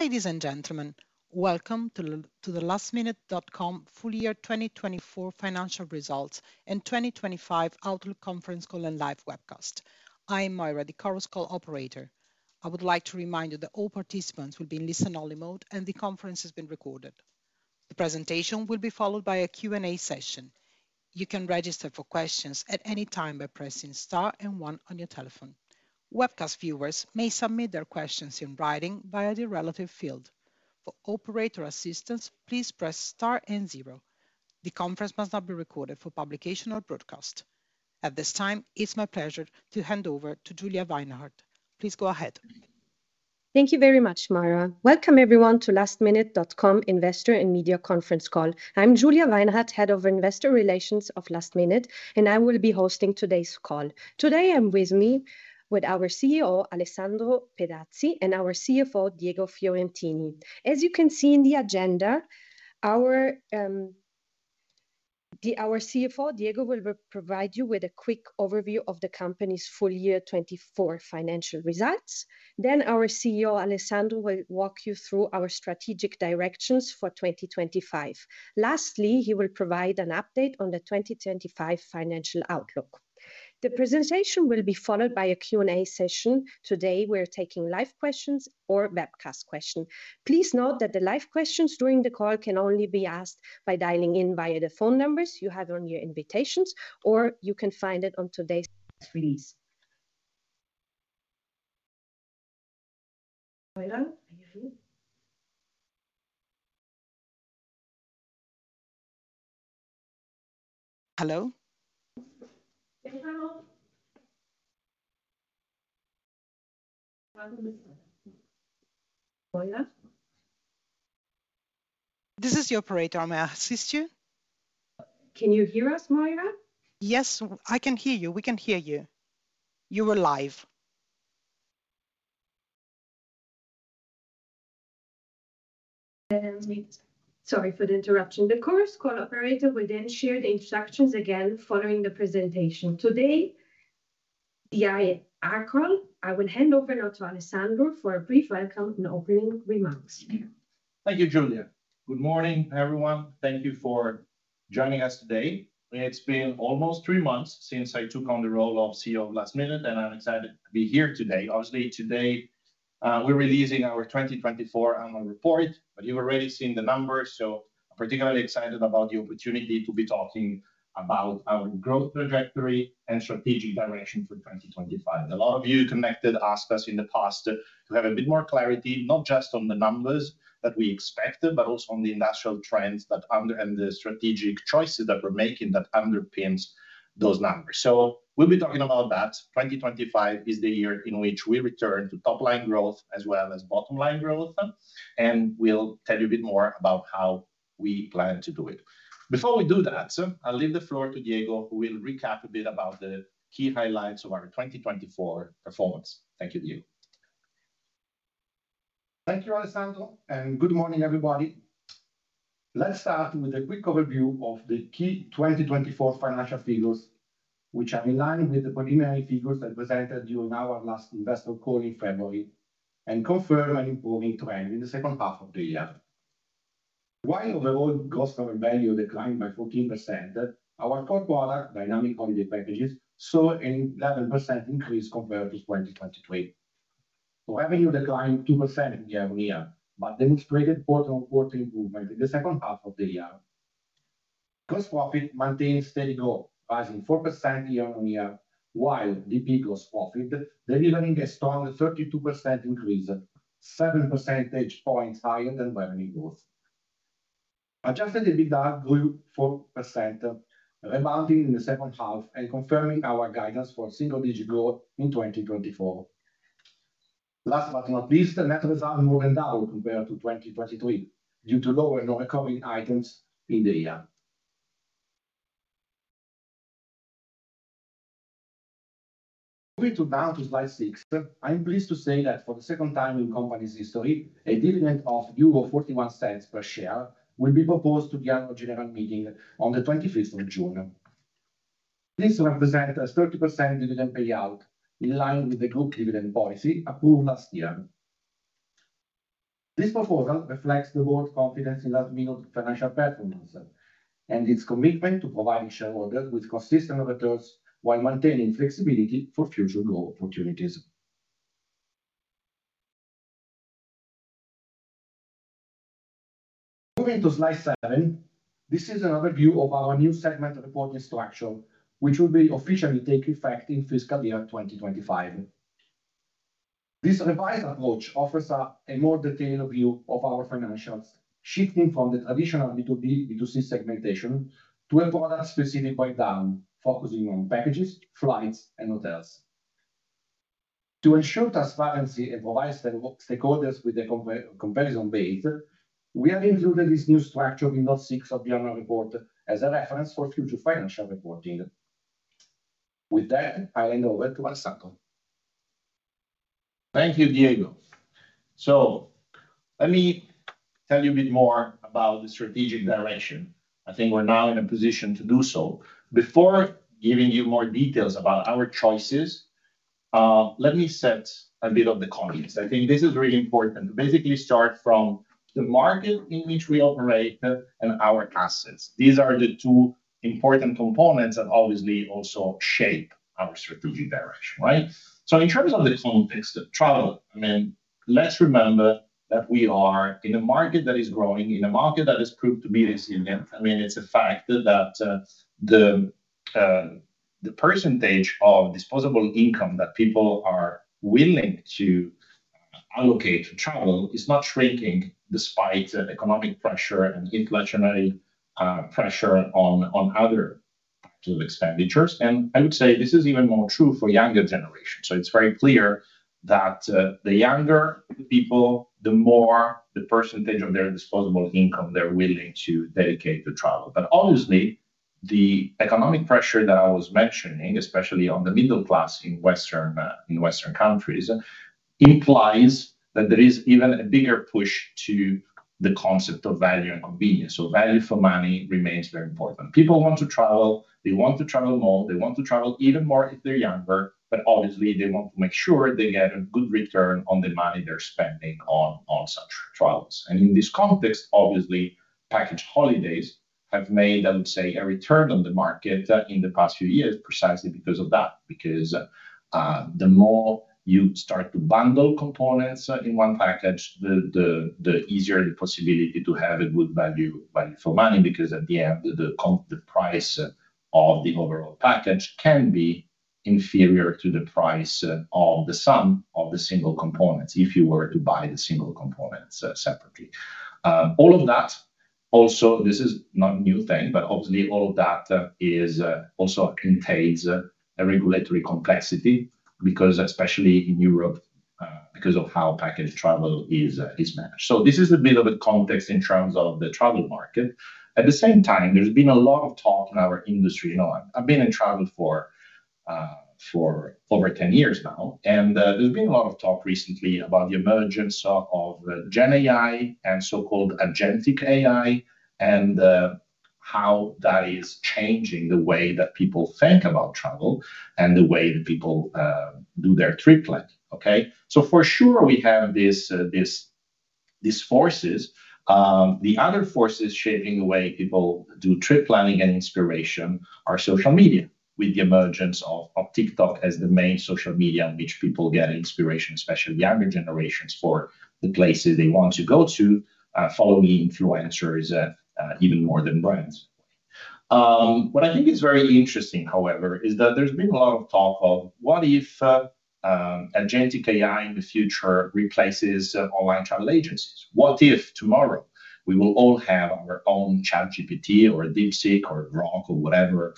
Results and 2025 Outlook conference call and live webcast. I am Maira, the Conference Call Operator. I would like to remind you that all participants will be in listen-only mode and the conference is being recorded. The presentation will be followed by a Q&A session. You can register for questions at any time by pressing star and one on your telephone. Webcast viewers may submit their questions in writing via the related field. For operator assistance, please press star and zero. The conference must not be recorded for publication or broadcast. At this time, it's my pleasure to hand over to Julia Weinhart. Please go ahead. Thank you very much, Maira. Welcome, everyone, to lastminute.com investor and media conference call. I'm Julia Weinhart, Head of Investor Relations of lastminute, and I will be hosting today's call. Today I'm with our CEO, Alessandro Petazzi, and our CFO, Diego Fiorentini. As you can see in the agenda, our CFO, Diego, will provide you with a quick overview of the company's full year 2024 financial results. Our CEO, Alessandro, will walk you through our strategic directions for 2025. Lastly, he will provide an update on the 2025 financial outlook. The presentation will be followed by a Q&A session. Today we're taking live questions or webcast questions. Please note that the live questions during the call can only be asked by dialing in via the phone numbers you have on your invitations, or you can find it on today's release. Hello. This is the operator. May I assist you? Can you hear us, Maira? Yes, I can hear you. We can hear you. You are live. Sorry for the interruption. The Call Operator will then share the instructions again following the presentation. Today, the IR call, I will hand over now to Alessandro for a brief welcome and opening remarks. Thank you, Julia. Good morning, everyone. Thank you for joining us today. It's been almost three months since I took on the role of CEO of lastminut, and I'm excited to be here today. Obviously, today we're releasing our 2024 annual report, but you've already seen the numbers, so I'm particularly excited about the opportunity to be talking about our growth trajectory and strategic direction for 2025. A lot of you connected asked us in the past to have a bit more clarity, not just on the numbers that we expect, but also on the industrial trends and the strategic choices that we're making that underpins those numbers. We will be talking about that. 2025 is the year in which we return to top-line growth as well as bottom-line growth, and we'll tell you a bit more about how we plan to do it. Before we do that, I'll leave the floor to Diego, who will recap a bit about the key highlights of our 2024 performance. Thank you, Diego. Thank you, Alessandro, and good morning, everybody. Let's start with a quick overview of the key 2024 financial figures, which are in line with the preliminary figures that were presented during our last investor call in February and confirm an improving trend in the second half of the year. While overall gross value declined by 14%, our core product, Dynamic Holiday Packages, saw an 11% increase compared to 2023. Revenue declined 2% year on year, but demonstrated quarter-on-quarter improvement in the second half of the year. Gross profit maintained steady growth, rising 4% year on year, while GP gross profit delivering a strong 32% increase, 7 percentage points higher than revenue growth. Adjusted EBITDA grew 4%, rebounding in the second half and confirming our guidance for single-digit growth in 2024. Last but not least, net result more than doubled compared to 2023 due to lower non-recurring items in the year. Moving now to slide six, I'm pleased to say that for the second time in the company's history, a dividend of euro 41 per share will be proposed to the annual general meeting on the 25th of June. This represents a 30% dividend payout in line with the group dividend policy approved last year. This proposal reflects the board's confidence in lastminute financial performance and its commitment to providing shareholders with consistent returns while maintaining flexibility for future growth opportunities. Moving to slide seven, this is an overview of our new segment reporting structure, which will officially take effect in fiscal year 2025. This revised approach offers a more detailed view of our financials, shifting from the traditional B2B/B2C segmentation to a product-specific breakdown, focusing on packages, flights, and hotels. To ensure transparency and provide stakeholders with a comparison base, we have included this new structure in slide six of the annual report as a reference for future financial reporting. With that, I'll hand over to Alessandro. Thank you, Diego. Let me tell you a bit more about the strategic direction. I think we're now in a position to do so. Before giving you more details about our choices, let me set a bit of the context. I think this is really important to basically start from the market in which we operate and our assets. These are the two important components that obviously also shape our strategic direction, right? In terms of the context of travel, I mean, let's remember that we are in a market that is growing, in a market that has proved to be resilient. I mean, it's a fact that the percentage of disposable income that people are willing to allocate to travel is not shrinking despite economic pressure and inflationary pressure on other types of expenditures. I would say this is even more true for younger generations. It is very clear that the younger people, the more the percentage of their disposable income they are willing to dedicate to travel. Obviously, the economic pressure that I was mentioning, especially on the middle class in Western countries, implies that there is even a bigger push to the concept of value and convenience. Value for money remains very important. People want to travel. They want to travel more. They want to travel even more if they are younger, but obviously, they want to make sure they get a good return on the money they are spending on such travels. In this context, obviously, package holidays have made, I would say, a return on the market in the past few years precisely because of that, because the more you start to bundle components in one package, the easier the possibility to have a good value for money, because at the end, the price of the overall package can be inferior to the price of the sum of the single components if you were to buy the single components separately. All of that, also, this is not a new thing, but obviously, all of that also contains a regulatory complexity, especially in Europe, because of how package travel is managed. This is a bit of a context in terms of the travel market. At the same time, there's been a lot of talk in our industry. I've been in travel for over 10 years now, and there's been a lot of talk recently about the emergence of GenAI and so-called agentic AI and how that is changing the way that people think about travel and the way that people do their trip planning. For sure, we have these forces. The other forces shaping the way people do trip planning and inspiration are social media with the emergence of TikTok as the main social media in which people get inspiration, especially younger generations, for the places they want to go to, following influencers even more than brands. What I think is very interesting, however, is that there's been a lot of talk of, what if agentic AI in the future replaces online travel agencies? What if tomorrow we will all have our own ChatGPT or DeepSeek or Grok or whatever,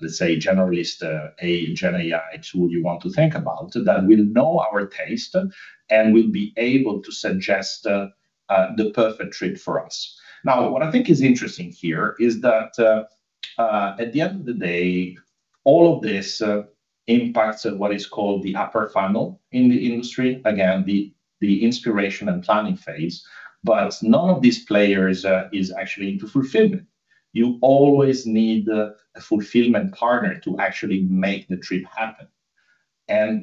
let's say, generalist GenAI tool you want to think about that will know our taste and will be able to suggest the perfect trip for us? Now, what I think is interesting here is that at the end of the day, all of this impacts what is called the upper funnel in the industry, again, the inspiration and planning phase, but none of these players is actually into fulfillment. You always need a fulfillment partner to actually make the trip happen.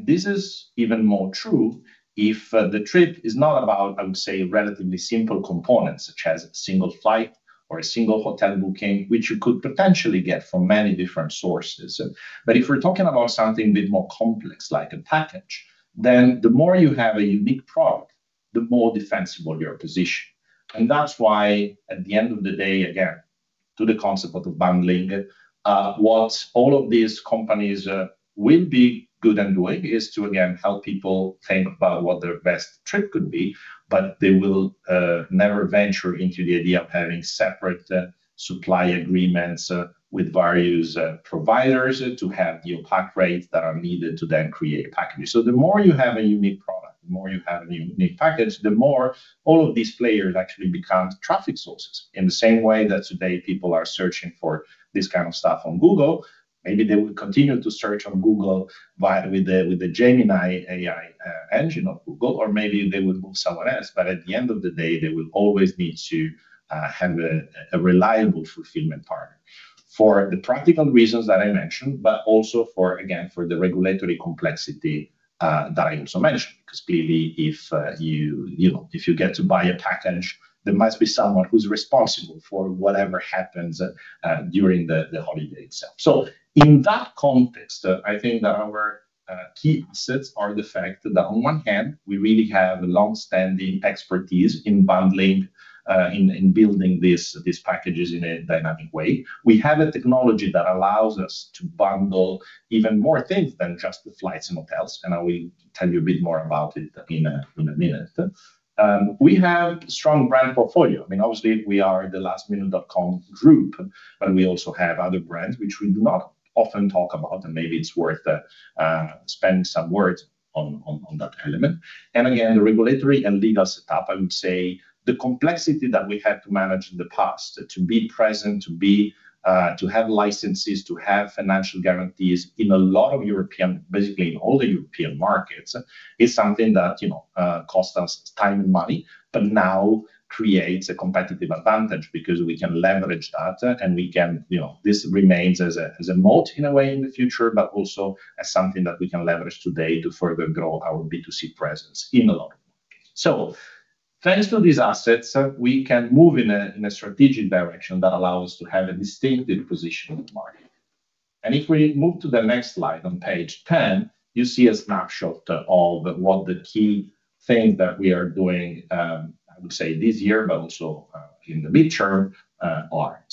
This is even more true if the trip is not about, I would say, relatively simple components such as a single flight or a single hotel booking, which you could potentially get from many different sources. If we're talking about something a bit more complex, like a package, the more you have a unique product, the more defensible your position. That is why, at the end of the day, again, to the concept of bundling, what all of these companies will be good at doing is to, again, help people think about what their best trip could be, but they will never venture into the idea of having separate supply agreements with various providers to have the pack rates that are needed to then create packages. The more you have a unique product, the more you have a unique package, the more all of these players actually become traffic sources. In the same way that today people are searching for this kind of stuff on Google, maybe they will continue to search on Google with the Gemini AI engine of Google, or maybe they will move somewhere else, but at the end of the day, they will always need to have a reliable fulfillment partner for the practical reasons that I mentioned, but also for, again, for the regulatory complexity that I also mentioned, because clearly, if you get to buy a package, there must be someone who's responsible for whatever happens during the holiday itself. In that context, I think that our key assets are the fact that on one hand, we really have long-standing expertise in bundling, in building these packages in a dynamic way. We have a technology that allows us to bundle even more things than just the flights and hotels, and I will tell you a bit more about it in a minute. We have a strong brand portfolio. I mean, obviously, we are the lastminute.com group, but we also have other brands, which we do not often talk about, and maybe it's worth spending some words on that element. Again, the regulatory and legal setup, I would say the complexity that we had to manage in the past to be present, to have licenses, to have financial guarantees in a lot of European, basically in all the European markets, is something that costs us time and money, but now creates a competitive advantage because we can leverage that, and this remains as a moat in a way in the future, but also as something that we can leverage today to further grow our B2C presence in a lot of markets. Thanks to these assets, we can move in a strategic direction that allows us to have a distinctive position in the market. If we move to the next slide on page 10, you see a snapshot of what the key things that we are doing, I would say this year, but also in the midterm are.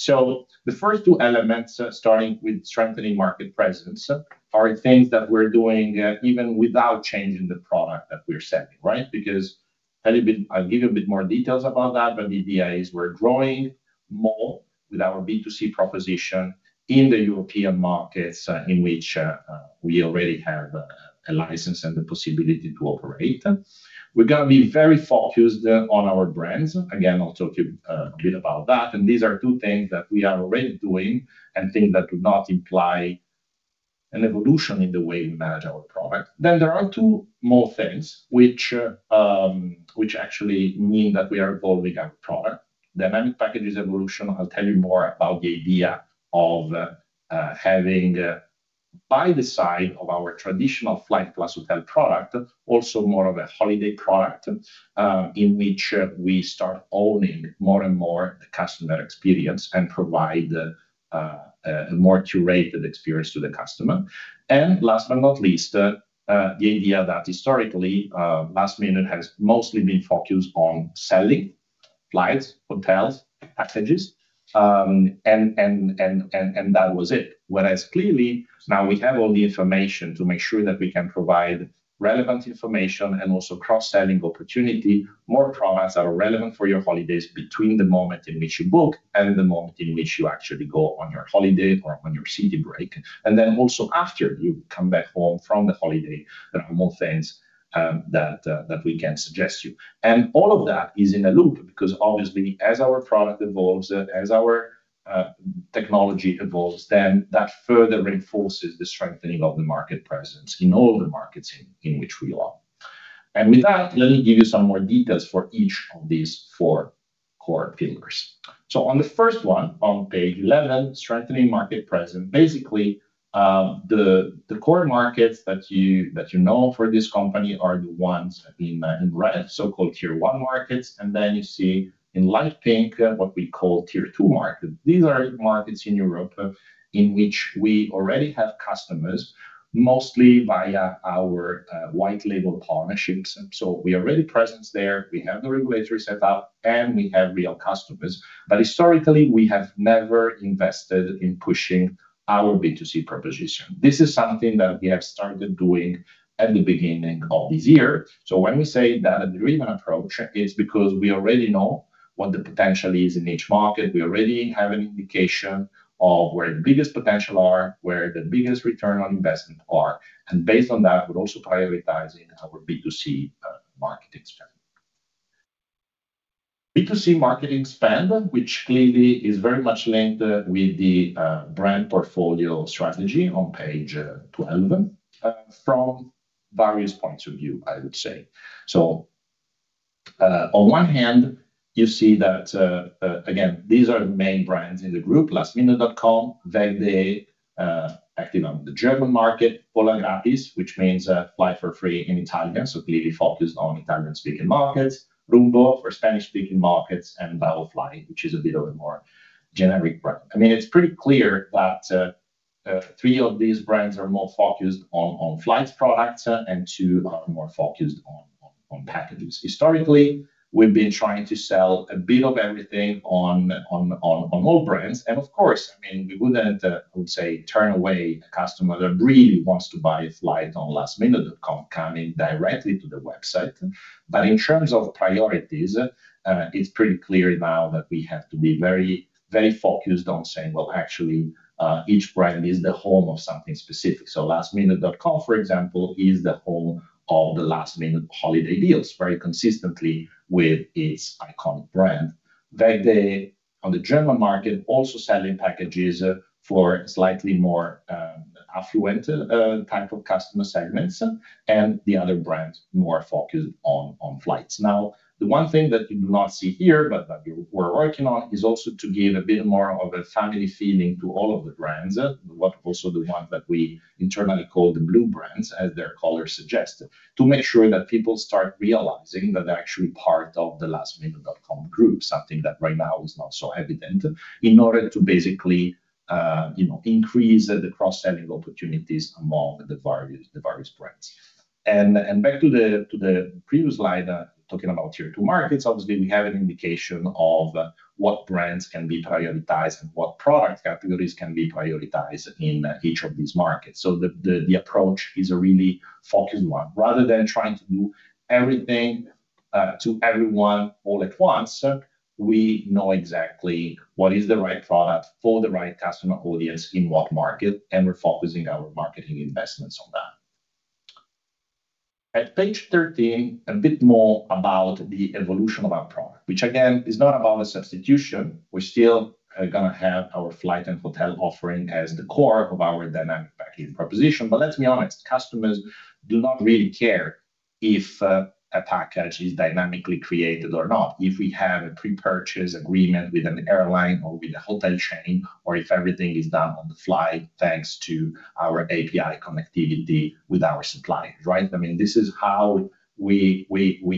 The first two elements, starting with strengthening market presence, are things that we're doing even without changing the product that we're selling, right? Because I'll give you a bit more details about that, but the idea is we're growing more with our B2C proposition in the European markets in which we already have a license and the possibility to operate. We're going to be very focused on our brands. Again, I'll talk to you a bit about that. These are two things that we are already doing and things that do not imply an evolution in the way we manage our product. There are two more things which actually mean that we are evolving our product, Dynamic Packages Evolution. I'll tell you more about the idea of having by the side of our traditional flight plus hotel product, also more of a holiday product in which we start owning more and more the customer experience and provide a more curated experience to the customer. Last but not least, the idea that historically lastminute has mostly been focused on selling flights, hotels, packages, and that was it. Whereas clearly now we have all the information to make sure that we can provide relevant information and also cross-selling opportunity, more products that are relevant for your holidays between the moment in which you book and the moment in which you actually go on your holiday or on your city break. Also, after you come back home from the holiday, there are more things that we can suggest you. All of that is in a loop because obviously, as our product evolves, as our technology evolves, that further reinforces the strengthening of the market presence in all the markets in which we are. With that, let me give you some more details for each of these four core pillars. On the first one on page 11, strengthening market presence, basically the core markets that you know for this company are the ones in red, so-called tier one markets. You see in light pink what we call tier two markets. These are markets in Europe in which we already have customers mostly via our white label partnerships. We are already present there. We have the regulatory setup, and we have real customers. Historically, we have never invested in pushing our B2C proposition. This is something that we have started doing at the beginning of this year. When we say that the driven approach is because we already know what the potential is in each market. We already have an indication of where the biggest potential are, where the biggest return on investment are. Based on that, we're also prioritizing our B2C marketing spend. B2C marketing spend, which clearly is very much linked with the brand portfolio strategy on page 12 from various points of view, I would say. On one hand, you see that, again, these are the main brands in the group, lastminute.com, weg.de, active on the German market, Volagratis, which means fly for free in Italian, so clearly focused on Italian-speaking markets, Rumbo for Spanish-speaking markets, and Bravofly, which is a bit of a more generic brand. I mean, it's pretty clear that three of these brands are more focused on flights products and two are more focused on packages. Historically, we've been trying to sell a bit of everything on all brands. Of course, I mean, we wouldn't, I would say, turn away a customer that really wants to buy a flight on lastminute.com coming directly to the website. In terms of priorities, it's pretty clear now that we have to be very focused on saying, well, actually, each brand is the home of something specific. So lastminute.com, for example, is the home of the last minute holiday deals very consistently with its iconic brand. weg.de on the German market also selling packages for slightly more affluent type of customer segments and the other brands more focused on flights. Now, the one thing that you do not see here, but that we're working on, is also to give a bit more of a family feeling to all of the brands, but also the ones that we internally call the blue brands, as their colors suggest, to make sure that people start realizing that they're actually part of the lastminute.com group, something that right now is not so evident in order to basically increase the cross-selling opportunities among the various brands. Back to the previous slide, talking about tier two markets, obviously, we have an indication of what brands can be prioritized and what product categories can be prioritized in each of these markets. The approach is a really focused one. Rather than trying to do everything to everyone all at once, we know exactly what is the right product for the right customer audience in what market, and we're focusing our marketing investments on that. At page 13, a bit more about the evolution of our product, which again is not about a substitution. We're still going to have our flight and hotel offering as the core of our dynamic package proposition. Let's be honest, customers do not really care if a package is dynamically created or not. If we have a pre-purchase agreement with an airline or with a hotel chain, or if everything is done on the fly thanks to our API connectivity with our suppliers, right? I mean, this is how we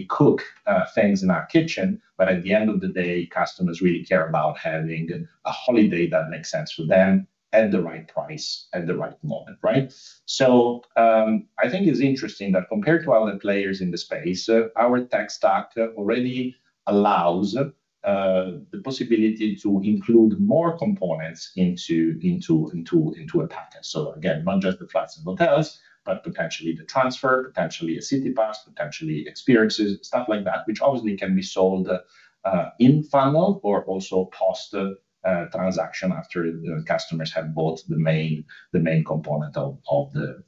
cook things in our kitchen, but at the end of the day, customers really care about having a holiday that makes sense for them at the right price at the right moment, right? I think it's interesting that compared to other players in the space, our tech stack already allows the possibility to include more components into a package. Again, not just the flights and hotels, but potentially the transfer, potentially a city pass, potentially experiences, stuff like that, which obviously can be sold in funnel or also post-transaction after customers have bought the main component of the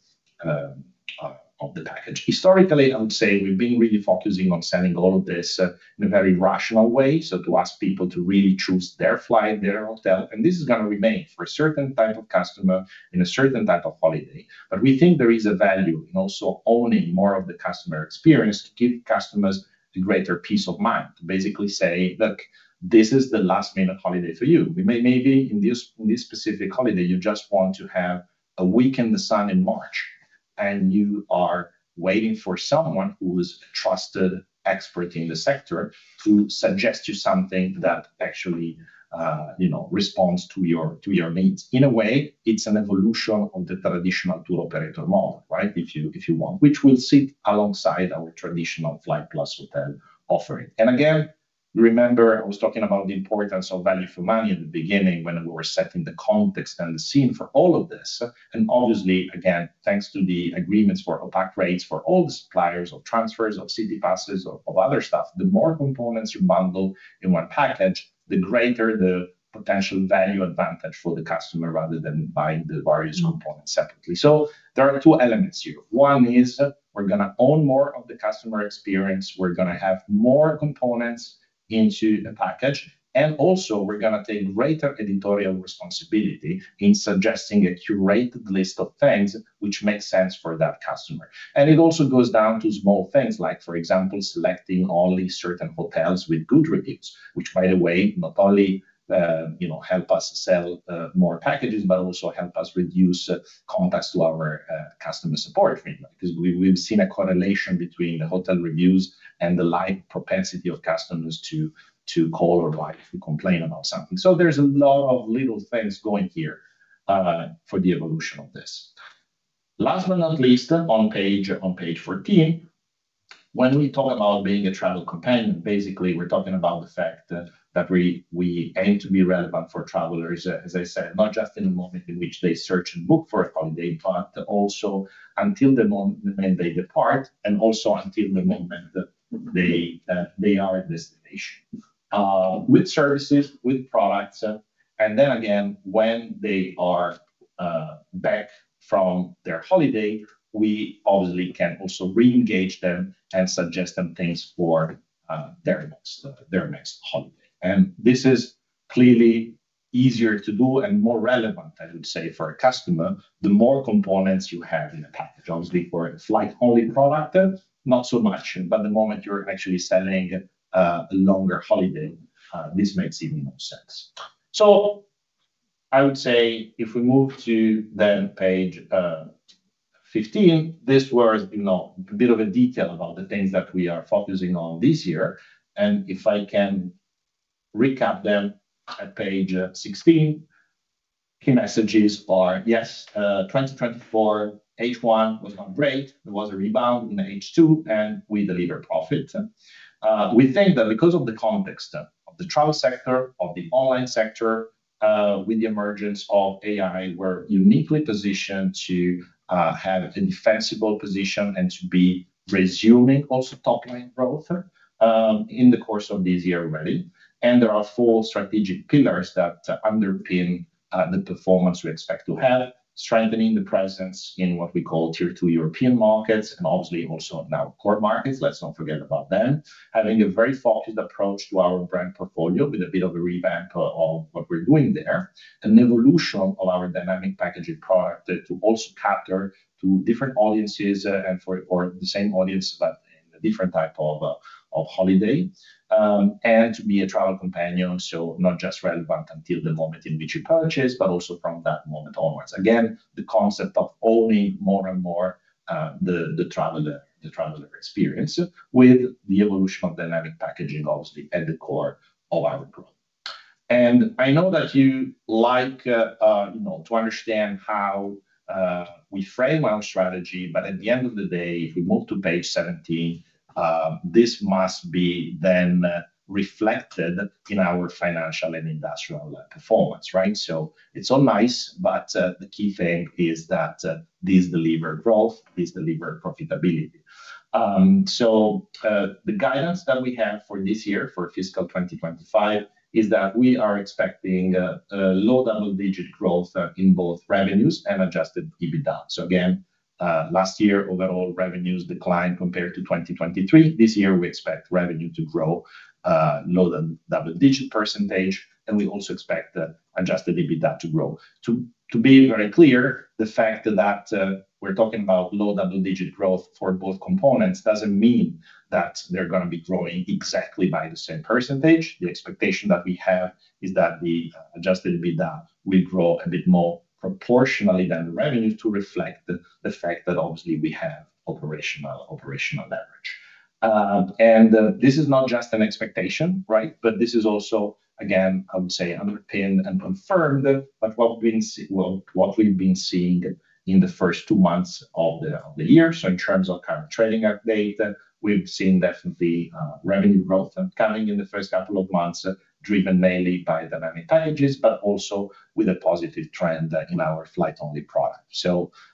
package. Historically, I would say we've been really focusing on selling all of this in a very rational way, to ask people to really choose their flight, their hotel, and this is going to remain for a certain type of customer in a certain type of holiday. We think there is a value in also owning more of the customer experience to give customers a greater peace of mind, to basically say, "Look, this is the last minute holiday for you. Maybe in this specific holiday, you just want to have a week in the sun in March, and you are waiting for someone who is a trusted expert in the sector to suggest you something that actually responds to your needs." In a way, it's an evolution of the traditional tour operator model, right? If you want, which will sit alongside our traditional flight plus hotel offering. Again, remember, I was talking about the importance of value for money at the beginning when we were setting the context and the scene for all of this. Obviously, again, thanks to the agreements for opaque rates for all the suppliers of transfers, of city passes, of other stuff, the more components you bundle in one package, the greater the potential value advantage for the customer rather than buying the various components separately. There are two elements here. One is we're going to own more of the customer experience. We're going to have more components into a package. Also, we're going to take greater editorial responsibility in suggesting a curated list of things which make sense for that customer. It also goes down to small things, like, for example, selecting only certain hotels with good reviews, which, by the way, not only help us sell more packages, but also help us reduce contacts to our customer support because we've seen a correlation between the hotel reviews and the likely propensity of customers to call or complain about something. There are a lot of little things going here for the evolution of this. Last but not least, on page 14, when we talk about being a travel companion, basically, we're talking about the fact that we aim to be relevant for travelers, as I said, not just in the moment in which they search and book for a holiday, but also until the moment they depart and also until the moment they are at destination with services, with products. Then again, when they are back from their holiday, we obviously can also re-engage them and suggest them things for their next holiday. This is clearly easier to do and more relevant, I would say, for a customer the more components you have in a package. Obviously, for a flight-only product, not so much, but the moment you're actually selling a longer holiday, this makes even more sense. I would say if we move to page 15, this was a bit of a detail about the things that we are focusing on this year. If I can recap them at page 16, key messages are, yes, 2024 H1 was not great. There was a rebound in H2, and we delivered profit. We think that because of the context of the travel sector, of the online sector, with the emergence of AI, we're uniquely positioned to have a defensible position and to be resuming also top-line growth in the course of this year already. There are four strategic pillars that underpin the performance we expect to have: strengthening the presence in what we call tier two European markets and obviously also now core markets. Let's not forget about them. Having a very focused approach to our brand portfolio with a bit of a revamp of what we're doing there. An evolution of our dynamic packaging product to also capture different audiences and for the same audience, but in a different type of holiday. To be a travel companion, so not just relevant until the moment in which you purchase, but also from that moment onwards. Again, the concept of owning more and more the traveler experience with the evolution of dynamic packaging, obviously, at the core of our growth. I know that you like to understand how we frame our strategy, but at the end of the day, if we move to page 17, this must be then reflected in our financial and industrial performance, right? It is all nice, but the key thing is that this delivers growth, this delivers profitability. The guidance that we have for this year, for fiscal 2025, is that we are expecting low double-digit growth in both revenues and adjusted EBITDA. Last year, overall revenues declined compared to 2023. This year, we expect revenue to grow low double-digit percentage, and we also expect adjusted EBITDA to grow. To be very clear, the fact that we're talking about low double-digit growth for both components doesn't mean that they're going to be growing exactly by the same percentage. The expectation that we have is that the adjusted EBITDA will grow a bit more proportionally than the revenue to reflect the fact that obviously we have operational leverage. This is not just an expectation, right? This is also, again, I would say, underpinned and confirmed by what we've been seeing in the first two months of the year. In terms of current trading update, we've seen definitely revenue growth coming in the first couple of months, driven mainly by dynamic packages, but also with a positive trend in our flight-only product.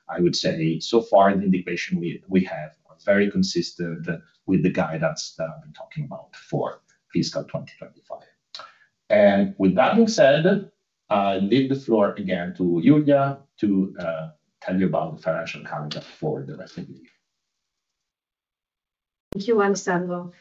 I would say so far, the indication we have is very consistent with the guidance that I've been talking about for fiscal 2025. With that being said, I leave the floor again to Julia to tell you about the financial calendar for the rest of the year. Thank you, Alessandro.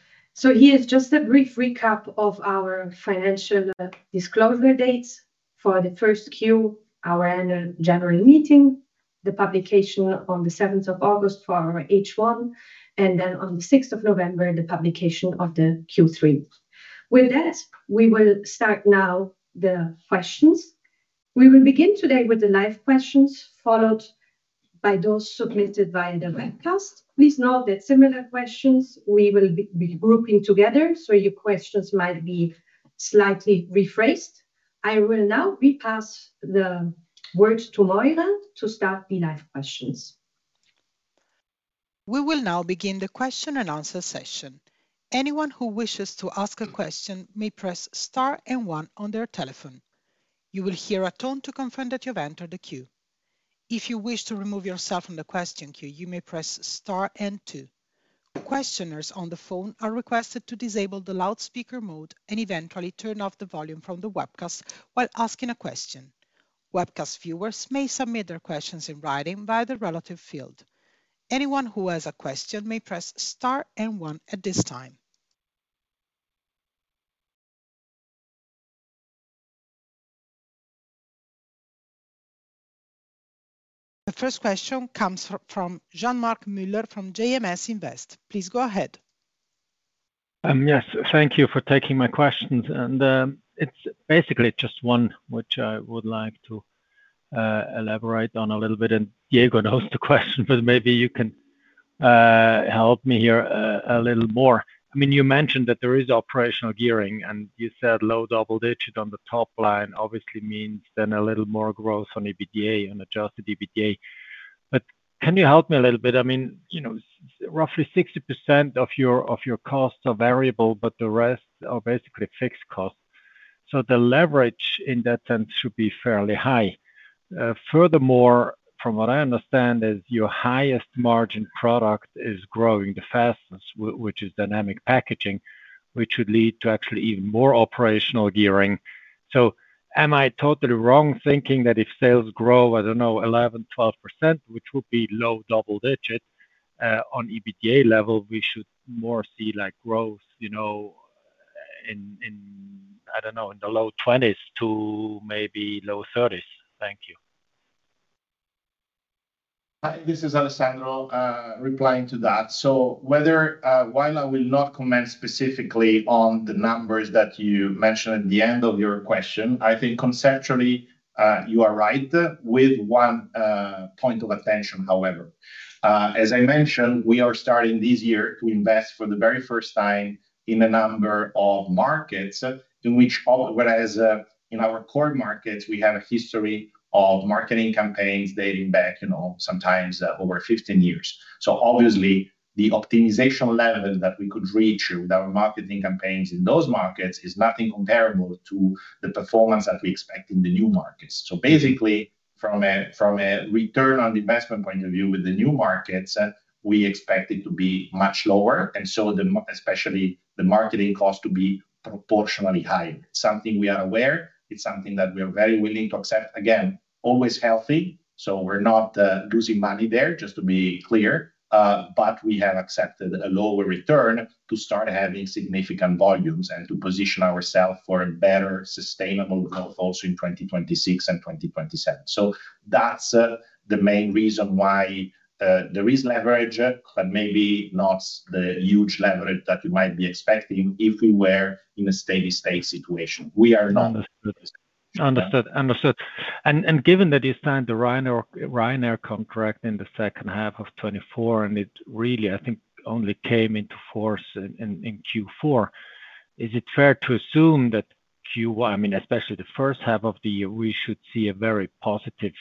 Here is just a brief recap of our financial disclosure dates for the first Q, our annual general meeting, the publication on the 7th of August for our H1, and then on the 6th of November, the publication of the Q3. With that, we will start now the questions. We will begin today with the live questions followed by those submitted via the webcast. Please note that similar questions we will be grouping together, so your questions might be slightly rephrased. I will now repass the word to Maira to start the live questions. We will now begin the question and answer session. Anyone who wishes to ask a question may press star and one on their telephone. You will hear a tone to confirm that you've entered the queue. If you wish to remove yourself from the question queue, you may press star and two. Questioners on the phone are requested to disable the loudspeaker mode and eventually turn off the volume from the webcast while asking a question. Webcast viewers may submit their questions in writing via the relative field. Anyone who has a question may press star and one at this time. The first question comes from Jean-Marc Mueller from JMS Invest. Please go ahead. Yes, thank you for taking my questions. It's basically just one, which I would like to elaborate on a little bit. Diego knows the question, but maybe you can help me here a little more. I mean, you mentioned that there is operational gearing, and you said low double-digit on the top line obviously means then a little more growth on EBITDA and adjusted EBITDA. Can you help me a little bit? I mean, roughly 60% of your costs are variable, but the rest are basically fixed costs. The leverage in that sense should be fairly high. Furthermore, from what I understand, your highest margin product is growing the fastest, which is dynamic packaging, which should lead to actually even more operational gearing. Am I totally wrong thinking that if sales grow, I do not know, 11%-12%, which would be low double-digit on EBITDA level, we should more see growth in, I do not know, in the low 20s to maybe low 30s? Thank you. This is Alessandro replying to that. While I will not comment specifically on the numbers that you mentioned at the end of your question, I think conceptually you are right with one point of attention, however. As I mentioned, we are starting this year to invest for the very first time in a number of markets, whereas in our core markets, we have a history of marketing campaigns dating back sometimes over 15 years. Obviously, the optimization level that we could reach with our marketing campaigns in those markets is nothing comparable to the performance that we expect in the new markets. Basically, from a return on investment point of view with the new markets, we expect it to be much lower, and especially the marketing cost to be proportionally higher. It is something we are aware. It is something that we are very willing to accept. Again, always healthy. We're not losing money there, just to be clear, but we have accepted a lower return to start having significant volumes and to position ourselves for better sustainable growth also in 2026 and 2027. That's the main reason why there is leverage, but maybe not the huge leverage that you might be expecting if we were in a steady-state situation. We are not. Understood. Understood. And given that you signed the Ryanair contract in the second half of 2024, and it really, I think, only came into force in Q4, is it fair to assume that Q1, I mean, especially the first half of the year, we should see a very positive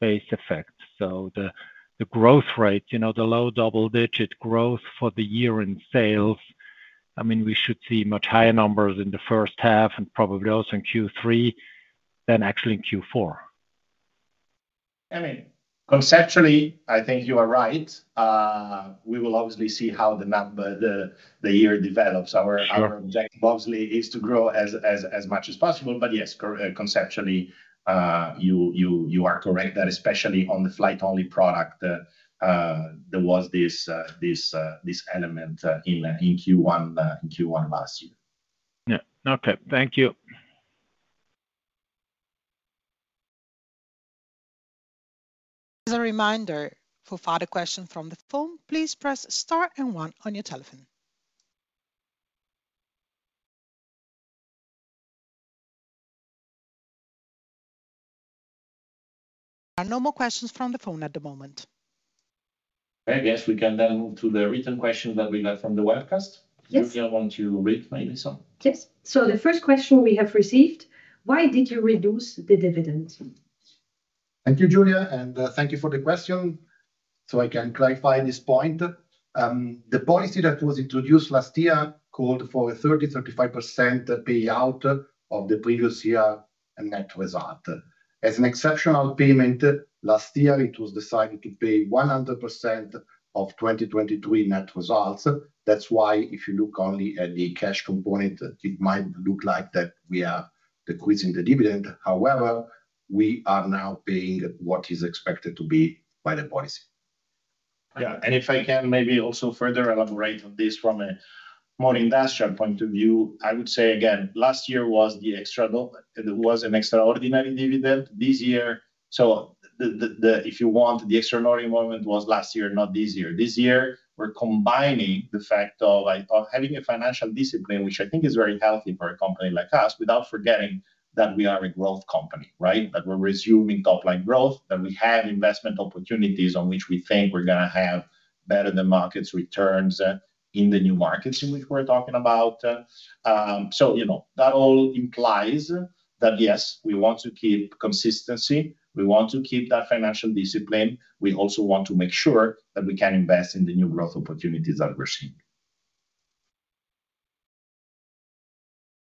base effect? The growth rate, the low double-digit growth for the year in sales, I mean, we should see much higher numbers in the first half and probably also in Q3 than actually in Q4. I mean, conceptually, I think you are right. We will obviously see how the year develops. Our objective obviously is to grow as much as possible. Yes, conceptually, you are correct that especially on the flight-only product, there was this element in Q1 last year. Yeah. Okay. Thank you. As a reminder, for further questions from the phone, please press star and one on your telephone. There are no more questions from the phone at the moment. I guess we can then move to the written questions that we got from the webcast. Julia, want you to read maybe some? Yes. The first question we have received, why did you reduce the dividend? Thank you, Julia. Thank you for the question. I can clarify this point. The policy that was introduced last year called for a 30%-35% payout of the previous year net result. As an exceptional payment, last year, it was decided to pay 100% of 2023 net results. That is why if you look only at the cash component, it might look like we are decreasing the dividend. However, we are now paying what is expected to be by the policy. Yeah. If I can maybe also further elaborate on this from a more industrial point of view, I would say, again, last year was an extraordinary dividend. This year, if you want, the extraordinary moment was last year, not this year. This year, we're combining the fact of having a financial discipline, which I think is very healthy for a company like us, without forgetting that we are a growth company, right? That we're resuming top-line growth, that we have investment opportunities on which we think we're going to have better than markets returns in the new markets in which we're talking about. That all implies that, yes, we want to keep consistency. We want to keep that financial discipline. We also want to make sure that we can invest in the new growth opportunities that we're seeing.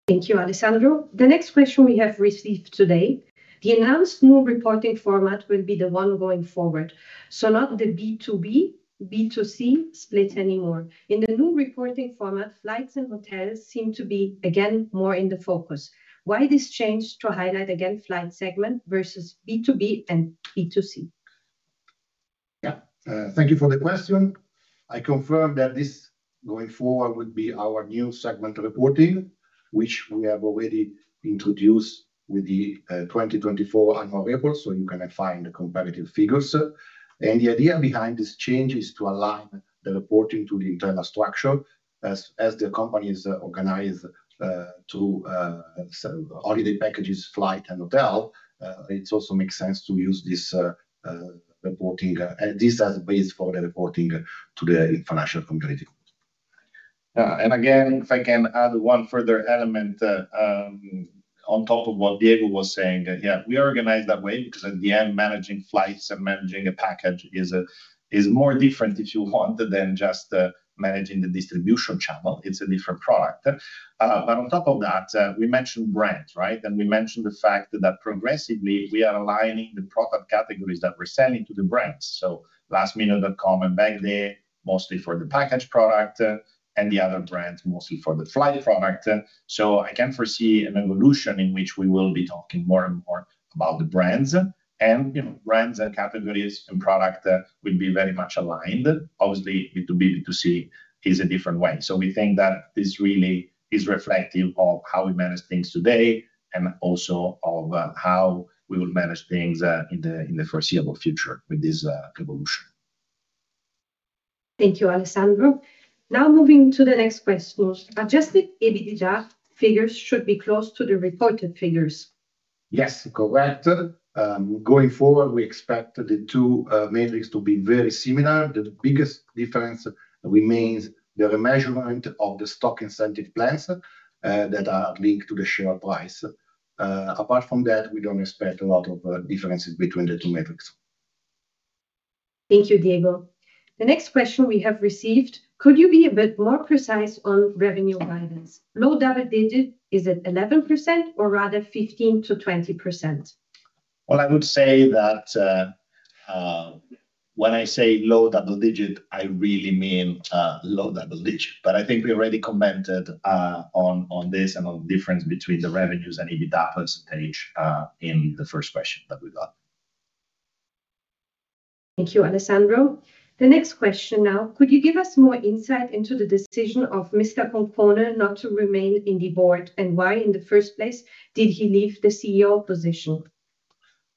Thank you, Alessandro. The next question we have received today, the announced new reporting format will be the one going forward. Not the B2B, B2C split anymore. In the new reporting format, flights and hotels seem to be, again, more in the focus. Why this change to highlight, again, flight segment versus B2B and B2C? Yeah. Thank you for the question. I confirm that this going forward would be our new segment reporting, which we have already introduced with the 2024 annual report, so you can find the comparative figures. The idea behind this change is to align the reporting to the internal structure as the company is organized through holiday packages, flight, and hotel. It also makes sense to use this reporting, this as a base for the reporting to the financial comparative report. Yeah. If I can add one further element on top of what Diego was saying, yeah, we organize that way because at the end, managing flights and managing a package is more different, if you want, than just managing the distribution channel. It's a different product. On top of that, we mentioned brands, right? We mentioned the fact that progressively we are aligning the product categories that we're selling to the brands. Lastminute.com and weg.de, mostly for the package product, and the other brands, mostly for the flight product. I can foresee an evolution in which we will be talking more and more about the brands. Brands and categories and product will be very much aligned. Obviously, B2B, B2C is a different way. We think that this really is reflective of how we manage things today and also of how we will manage things in the foreseeable future with this evolution. Thank you, Alessandro. Now moving to the next question. Adjusted EBITDA figures should be close to the reported figures. Yes, correct. Going forward, we expect the two metrics to be very similar. The biggest difference remains the measurement of the stock incentive plans that are linked to the share price. Apart from that, we do not expect a lot of differences between the two metrics. Thank you, Diego. The next question we have received, could you be a bit more precise on revenue guidance? Low double-digit is at 11% or rather 15%-20%? I would say that when I say low double-digit, I really mean low double-digit. I think we already commented on this and on the difference between the revenues and EBITDA percentage in the first question that we got. Thank you, Alessandro. The next question now, could you give us more insight into the decision of Mr. Concone not to remain in the board and why in the first place did he leave the CEO position?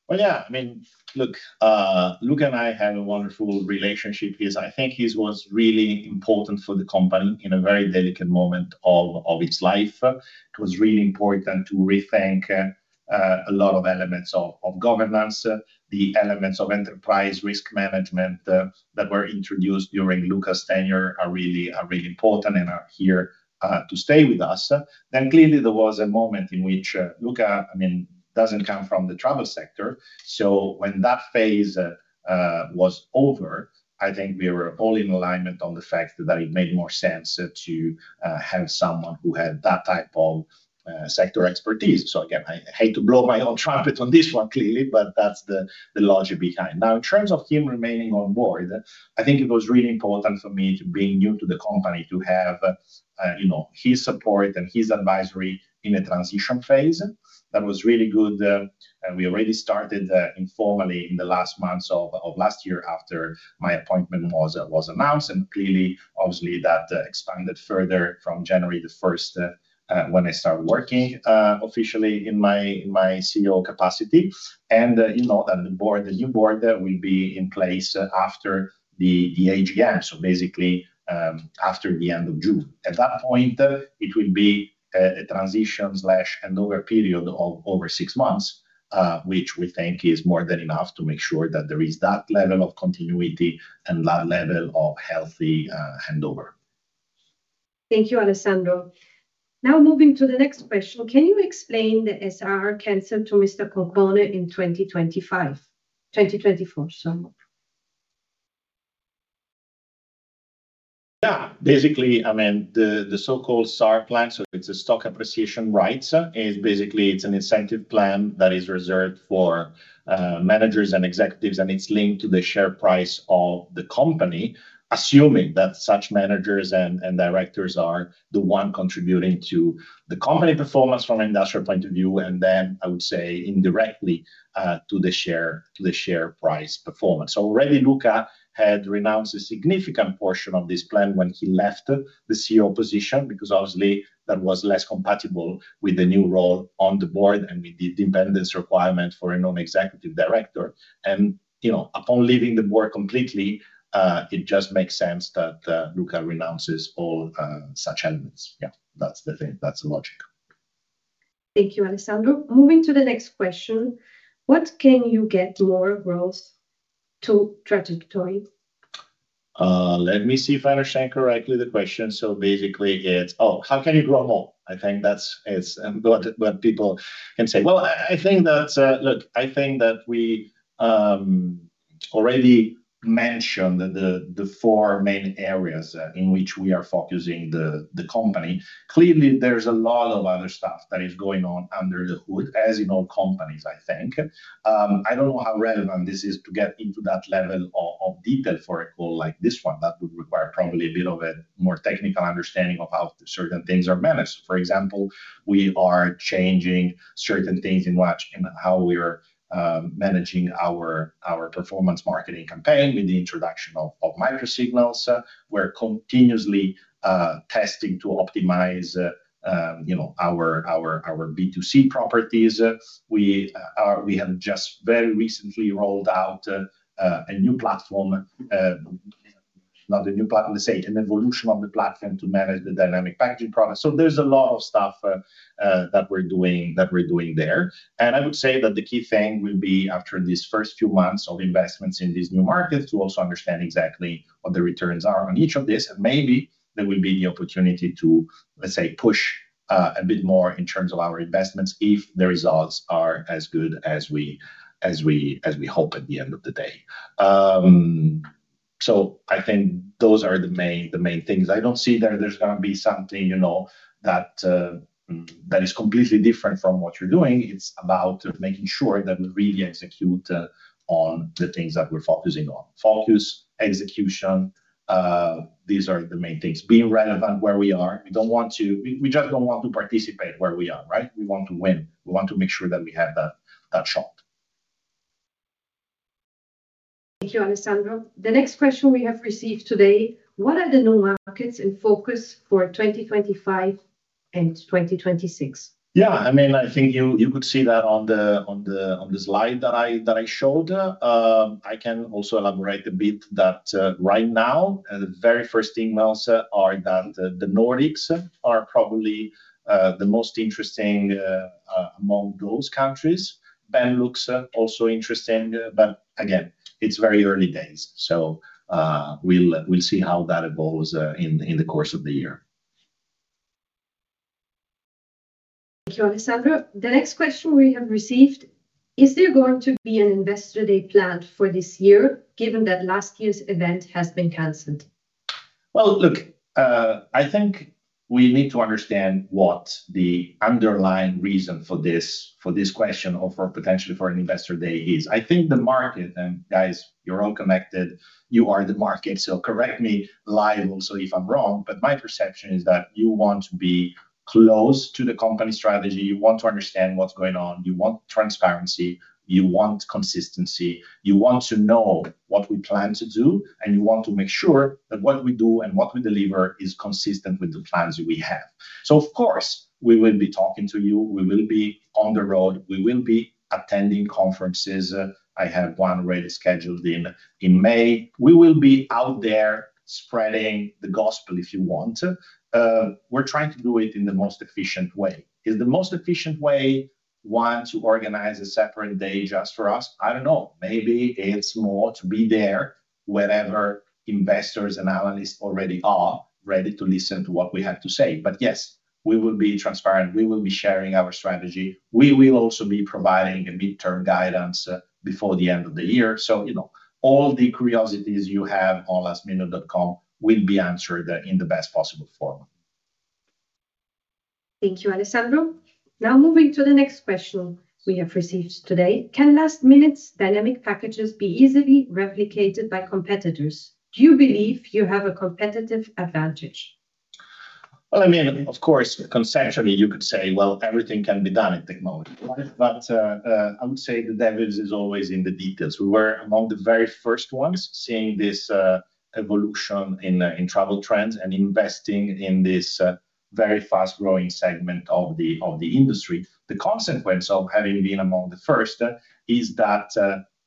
I mean, look, Luca and I had a wonderful relationship. I think he was really important for the company in a very delicate moment of its life. It was really important to rethink a lot of elements of governance. The elements of enterprise risk management that were introduced during Luca's tenure are really important and are here to stay with us. Clearly, there was a moment in which Luca, I mean, doesn't come from the travel sector. When that phase was over, I think we were all in alignment on the fact that it made more sense to have someone who had that type of sector expertise. Again, I hate to blow my own trumpet on this one clearly, but that's the logic behind. In terms of him remaining on board, I think it was really important for me to be new to the company to have his support and his advisory in a transition phase. That was really good. We already started informally in the last months of last year after my appointment was announced. Clearly, obviously, that expanded further from January 1st when I started working officially in my CEO capacity. You know that the new board will be in place after the AGM, so basically after the end of June. At that point, it will be a transition/hand over period of over six months, which we think is more than enough to make sure that there is that level of continuity and that level of healthy hand over. Thank you, Alessandro. Now moving to the next question. Can you explain the SAR canceled to Mr. Concone in 2025, 2024, sorry? Yeah. Basically, I mean, the so-called SAR plan, so it is a stock appreciation rights. Basically, it's an incentive plan that is reserved for managers and executives, and it's linked to the share price of the company, assuming that such managers and directors are the ones contributing to the company performance from an industrial point of view, and then, I would say, indirectly to the share price performance. Already, Luca had renounced a significant portion of this plan when he left the CEO position because obviously, that was less compatible with the new role on the board and with the dependence requirement for a non-executive director. Upon leaving the board completely, it just makes sense that Luca renounces all such elements. Yeah, that's the thing. That's the logic. Thank you, Alessandro. Moving to the next question. What can you get more growth to trajectory? Let me see if I understand correctly the question. Basically, it's, oh, how can you grow more? I think that's what people can say. I think that, look, I think that we already mentioned the four main areas in which we are focusing the company. Clearly, there's a lot of other stuff that is going on under the hood, as in all companies, I think. I don't know how relevant this is to get into that level of detail for a call like this one that would require probably a bit of a more technical understanding of how certain things are managed. For example, we are changing certain things in how we are managing our performance marketing campaign with the introduction of micro signals. We're continuously testing to optimize our B2C properties. We have just very recently rolled out a new platform, not a new platform, let's say an evolution of the platform to manage the dynamic packaging product. There is a lot of stuff that we're doing there. I would say that the key thing will be after these first few months of investments in these new markets to also understand exactly what the returns are on each of this. Maybe there will be the opportunity to, let's say, push a bit more in terms of our investments if the results are as good as we hope at the end of the day. I think those are the main things. I don't see that there's going to be something that is completely different from what you're doing. It's about making sure that we really execute on the things that we're focusing on. Focus, execution, these are the main things. Being relevant where we are. We don't want to, we just don't want to participate where we are, right? We want to win. We want to make sure that we have that shot. Thank you, Alessandro. The next question we have received today, what are the new markets in focus for 2025 and 2026? Yeah. I mean, I think you could see that on the slide that I showed. I can also elaborate a bit that right now, the very first thing are that the Nordics are probably the most interesting among those countries. Benelux also interesting, but again, it's very early days. So we'll see how that evolves in the course of the year. Thank you, Alessandro. The next question we have received, is there going to be an investor day planned for this year given that last year's event has been canceled? I think we need to understand what the underlying reason for this question of potentially for an investor day is. I think the market, and guys, you're all connected, you are the market. Correct me live also if I'm wrong, but my perception is that you want to be close to the company strategy. You want to understand what's going on. You want transparency. You want consistency. You want to know what we plan to do, and you want to make sure that what we do and what we deliver is consistent with the plans we have. Of course, we will be talking to you. We will be on the road. We will be attending conferences. I have one already scheduled in May. We will be out there spreading the gospel if you want. We're trying to do it in the most efficient way. Is the most efficient way one to organize a separate day just for us? I don't know. Maybe it's more to be there wherever investors and analysts already are ready to listen to what we have to say. Yes, we will be transparent. We will be sharing our strategy. We will also be providing a midterm guidance before the end of the year. All the curiosities you have on lastminute.com will be answered in the best possible form. Thank you, Alessandro. Now moving to the next question we have received today, can last-minute dynamic packages be easily replicated by competitors? Do you believe you have a competitive advantage? I mean, of course, conceptually, you could say, well, everything can be done at the moment. I would say the devil is always in the details. We were among the very first ones seeing this evolution in travel trends and investing in this very fast-growing segment of the industry. The consequence of having been among the first is that,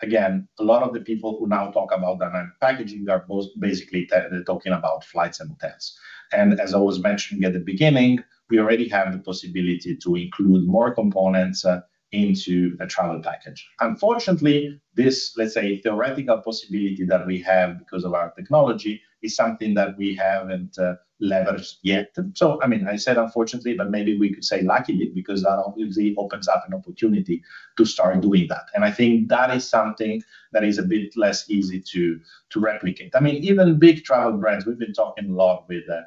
again, a lot of the people who now talk about dynamic packaging are basically talking about flights and hotels. As I was mentioning at the beginning, we already have the possibility to include more components into the travel package. Unfortunately, this, let's say, theoretical possibility that we have because of our technology is something that we haven't leveraged yet. I mean, I said unfortunately, but maybe we could say luckily because that obviously opens up an opportunity to start doing that. I think that is something that is a bit less easy to replicate. I mean, even big travel brands, we've been talking a lot with the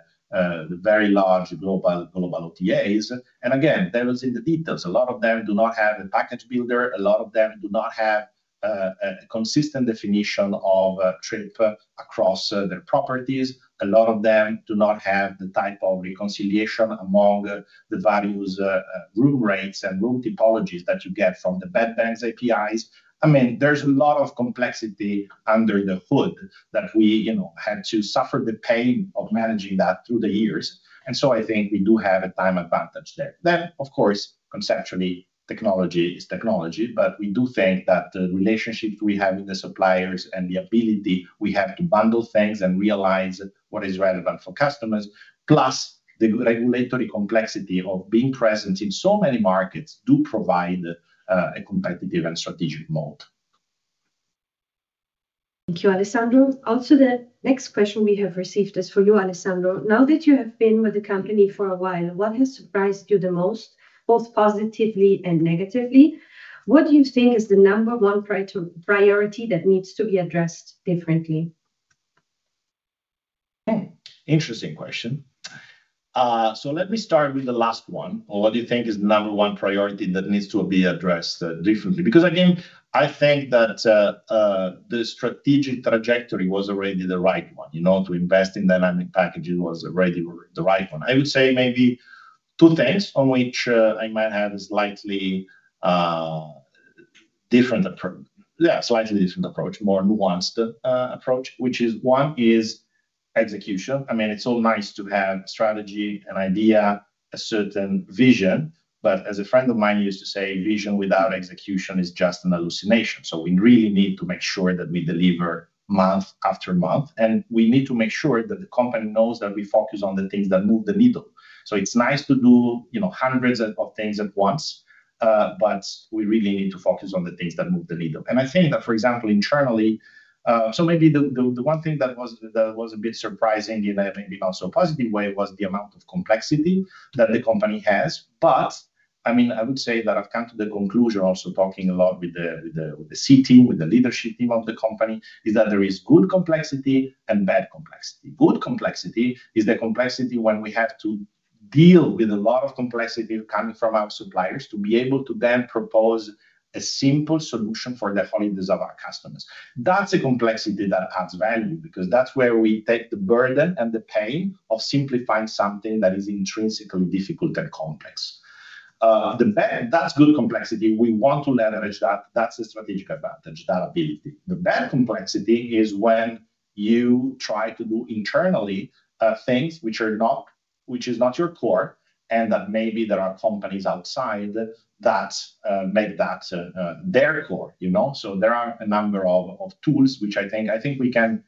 very large global OTAs. Again, devil's in the details. A lot of them do not have a package builder. A lot of them do not have a consistent definition of trip across their properties. A lot of them do not have the type of reconciliation among the values, room rates, and room typologies that you get from the bedbanks APIs. I mean, there's a lot of complexity under the hood that we had to suffer the pain of managing that through the years. I think we do have a time advantage there. Of course, conceptually, technology is technology, but we do think that the relationships we have with the suppliers and the ability we have to bundle things and realize what is relevant for customers, plus the regulatory complexity of being present in so many markets do provide a competitive and strategic moat. Thank you, Alessandro. Also, the next question we have received is for you, Alessandro. Now that you have been with the company for a while, what has surprised you the most, both positively and negatively? What do you think is the number one priority that needs to be addressed differently? Interesting question. Let me start with the last one. What do you think is the number one priority that needs to be addressed differently? Because again, I think that the strategic trajectory was already the right one. To invest in dynamic packaging was already the right one. I would say maybe two things on which I might have a slightly different approach. Yeah, slightly different approach, more nuanced approach, which is one is execution. I mean, it's all nice to have strategy, an idea, a certain vision, but as a friend of mine used to say, "Vision without execution is just an hallucination." We really need to make sure that we deliver month after month, and we need to make sure that the company knows that we focus on the things that move the needle. It's nice to do hundreds of things at once, but we really need to focus on the things that move the needle. I think that, for example, internally, maybe the one thing that was a bit surprising in a maybe not so positive way was the amount of complexity that the company has. I mean, I would say that I've come to the conclusion also talking a lot with the C team, with the leadership team of the company, is that there is good complexity and bad complexity. Good complexity is the complexity when we have to deal with a lot of complexity coming from our suppliers to be able to then propose a simple solution for the holidays of our customers. That's a complexity that adds value because that's where we take the burden and the pain of simplifying something that is intrinsically difficult and complex. That's good complexity. We want to leverage that. That's a strategic advantage, that ability. The bad complexity is when you try to do internally things which are not, which is not your core, and that maybe there are companies outside that make that their core. There are a number of tools which I think we can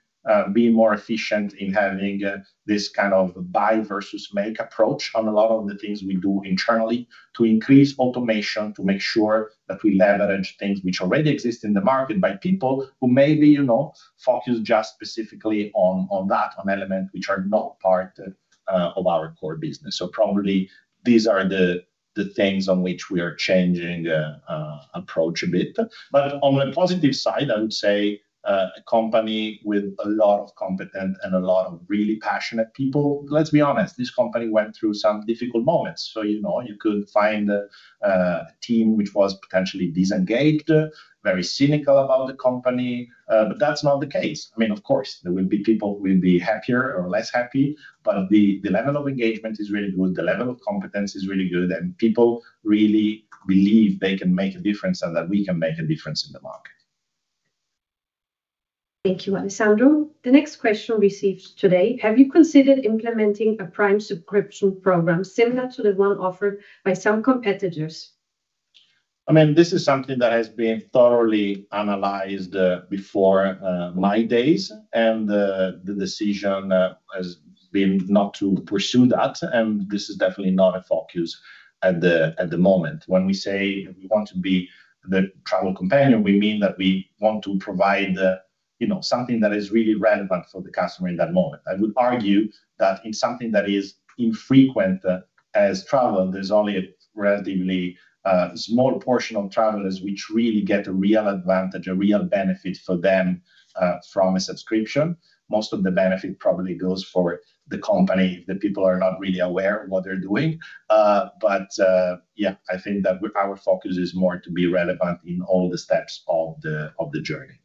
be more efficient in having this kind of buy versus make approach on a lot of the things we do internally to increase automation, to make sure that we leverage things which already exist in the market by people who maybe focus just specifically on that, on elements which are not part of our core business. Probably these are the things on which we are changing approach a bit. On the positive side, I would say a company with a lot of competent and a lot of really passionate people, let's be honest, this company went through some difficult moments. You could find a team which was potentially disengaged, very cynical about the company, but that's not the case. I mean, of course, there will be people who will be happier or less happy, but the level of engagement is really good. The level of competence is really good, and people really believe they can make a difference and that we can make a difference in the market. Thank you, Alessandro. The next question received today, have you considered implementing a prime subscription program similar to the one offered by some competitors? I mean, this is something that has been thoroughly analyzed before my days, and the decision has been not to pursue that, and this is definitely not a focus at the moment. When we say we want to be the travel companion, we mean that we want to provide something that is really relevant for the customer in that moment. I would argue that in something that is infrequent as travel, there's only a relatively small portion of travelers which really get a real advantage, a real benefit for them from a subscription. Most of the benefit probably goes for the company if the people are not really aware of what they're doing. Yeah, I think that our focus is more to be relevant in all the steps of the journey.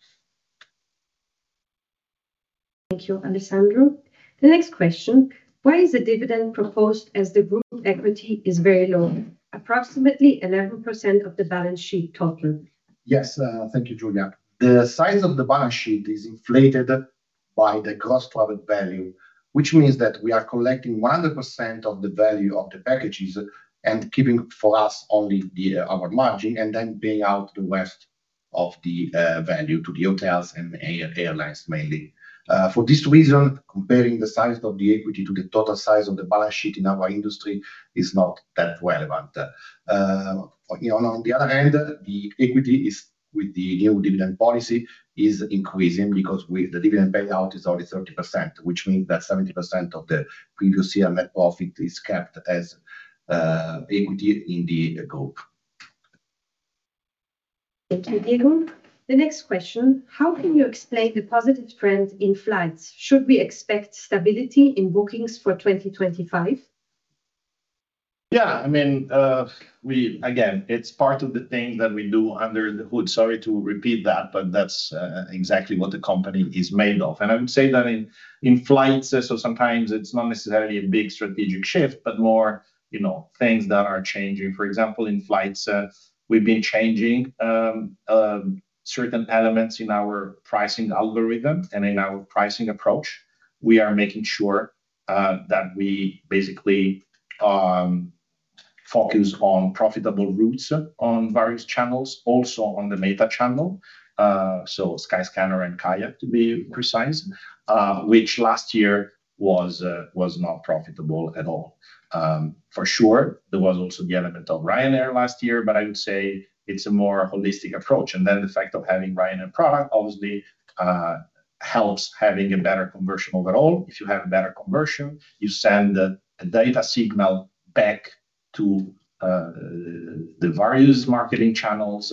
Thank you, Alessandro. The next question, why is the dividend proposed as the group equity is very low, approximately 11% of the balance sheet total? Yes, thank you, Julia. The size of the balance sheet is inflated by the gross profit value, which means that we are collecting 100% of the value of the packages and keeping for us only our margin and then paying out the rest of the value to the hotels and airlines mainly. For this reason, comparing the size of the equity to the total size of the balance sheet in our industry is not that relevant. On the other hand, the equity with the new dividend policy is increasing because the dividend payout is only 30%, which means that 70% of the previous year net profit is kept as equity in the group. Thank you, Diego. The next question, how can you explain the positive trend in flights? Should we expect stability in bookings for 2025? Yeah, I mean, again, it's part of the things that we do under the hood. Sorry to repeat that, but that's exactly what the company is made of. I would say that in flights, sometimes it's not necessarily a big strategic shift, but more things that are changing. For example, in flights, we've been changing certain elements in our pricing algorithm and in our pricing approach. We are making sure that we basically focus on profitable routes on various channels, also on the META channel, so Skyscanner and KAYAK, to be precise, which last year was not profitable at all. For sure, there was also the element of Ryanair last year, but I would say it's a more holistic approach. The fact of having Ryanair product obviously helps having a better conversion overall. If you have a better conversion, you send a data signal back to the various marketing channels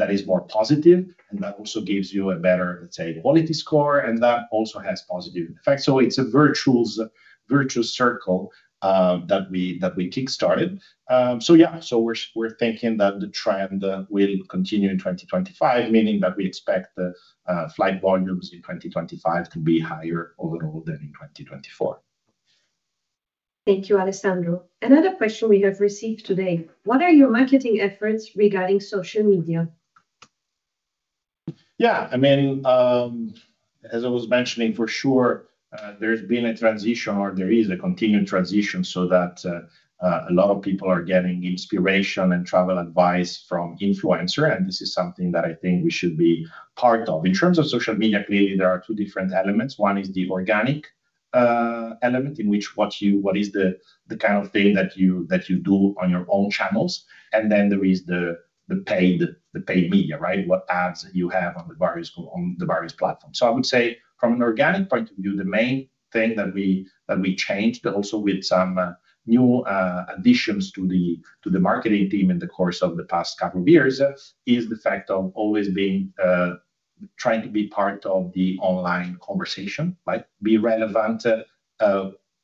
that is more positive, and that also gives you a better, let's say, quality score, and that also has positive effects. It is a virtuous circle that we kickstarted. Yeah, we're thinking that the trend will continue in 2025, meaning that we expect flight volumes in 2025 to be higher overall than in 2024. Thank you, Alessandro. Another question we have received today, what are your marketing efforts regarding social media? Yeah, I mean, as I was mentioning, for sure, there's been a transition or there is a continued transition so that a lot of people are getting inspiration and travel advice from influencers, and this is something that I think we should be part of. In terms of social media, clearly, there are two different elements. One is the organic element in which what is the kind of thing that you do on your own channels, and then there is the paid media, right? What ads you have on the various platforms. I would say from an organic point of view, the main thing that we changed also with some new additions to the marketing team in the course of the past couple of years is the fact of always trying to be part of the online conversation, right? Be relevant,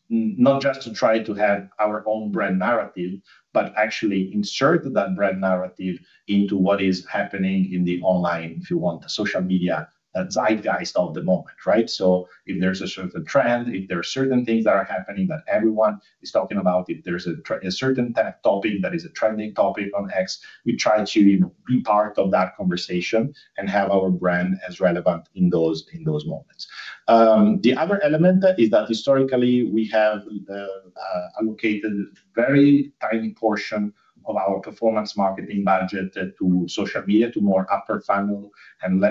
not just to try to have our own brand narrative, but actually insert that brand narrative into what is happening in the online, if you want, the social media that's zeitgeist of the moment, right? If there's a certain trend, if there are certain things that are happening that everyone is talking about, if there's a certain topic that is a trending topic on X, we try to be part of that conversation and have our brand as relevant in those moments. The other element is that historically we have allocated a very tiny portion of our performance marketing budget to social media, to more upper funnel and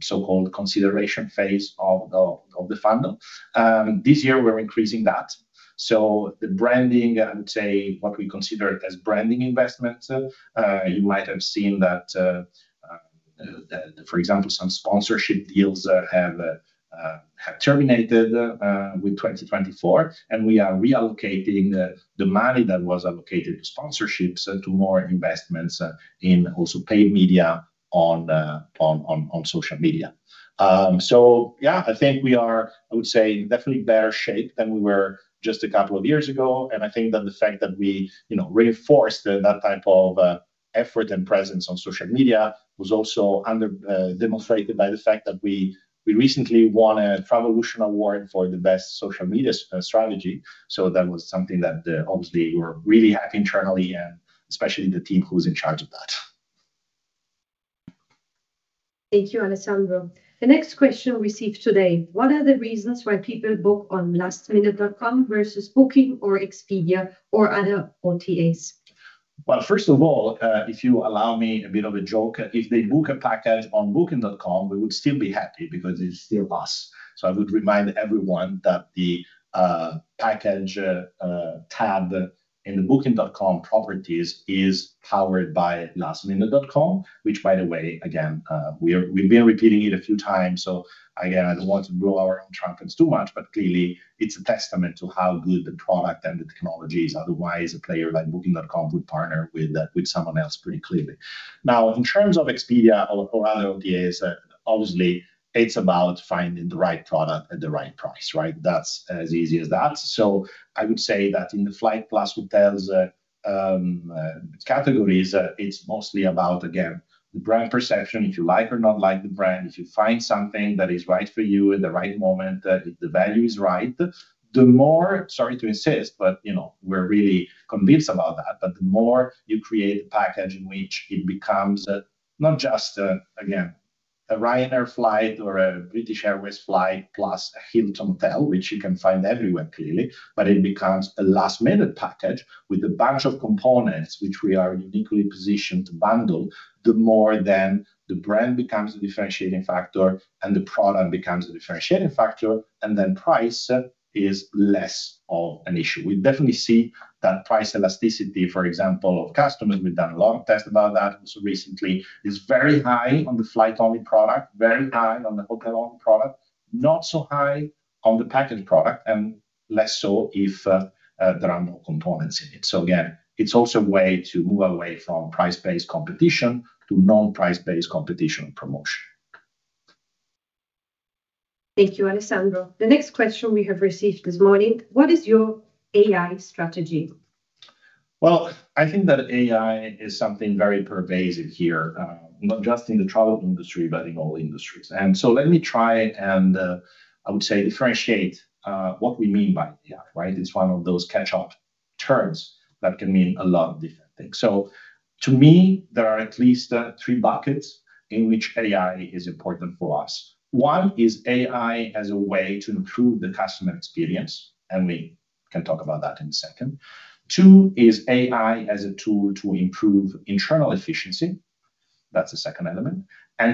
so-called consideration phase of the funnel. This year, we're increasing that. The branding, I would say what we consider as branding investments, you might have seen that, for example, some sponsorship deals have terminated with 2024, and we are reallocating the money that was allocated to sponsorships to more investments in also paid media on social media. Yeah, I think we are, I would say, definitely in better shape than we were just a couple of years ago. I think that the fact that we reinforced that type of effort and presence on social media was also demonstrated by the fact that we recently won a Travolution Award for the best social media strategy. That was something that obviously we're really happy internally, and especially the team who is in charge of that. Thank you, Alessandro. The next question received today, what are the reasons why people book on lastminute.com versus Booking or Expedia or other OTAs? First of all, if you allow me a bit of a joke, if they book a package on Booking.com, we would still be happy because it's still us. I would remind everyone that the package tab in the Booking.com properties is powered by lastminute.com, which, by the way, again, we've been repeating it a few times. I do not want to blow our own trumpets too much, but clearly, it's a testament to how good the product and the technology is. Otherwise, a player like Booking.com would partner with someone else pretty clearly. Now, in terms of Expedia or other OTAs, obviously, it's about finding the right product at the right price, right? That's as easy as that. I would say that in the flight plus hotels categories, it's mostly about, again, the brand perception, if you like or not like the brand, if you find something that is right for you at the right moment, if the value is right, the more, sorry to insist, but we're really convinced about that, but the more you create a package in which it becomes not just, again, a Ryanair flight or a British Airways flight plus a Hilton hotel, which you can find everywhere clearly, but it becomes a lastminute package with a bunch of components which we are uniquely positioned to bundle, the more then the brand becomes a differentiating factor and the product becomes a differentiating factor, and then price is less of an issue. We definitely see that price elasticity, for example, of customers. We've done a long test about that recently. It's very high on the flight-only product, very high on the hotel-only product, not so high on the package product, and less so if there are no components in it. Again, it's also a way to move away from price-based competition to non-price-based competition and promotion. Thank you, Alessandro. The next question we have received this morning, what is your AI strategy? I think that AI is something very pervasive here, not just in the travel industry, but in all industries. Let me try and, I would say, differentiate what we mean by AI, right? It's one of those catch-up terms that can mean a lot of different things. To me, there are at least three buckets in which AI is important for us. One is AI as a way to improve the customer experience, and we can talk about that in a second. Two is AI as a tool to improve internal efficiency. That's the second element.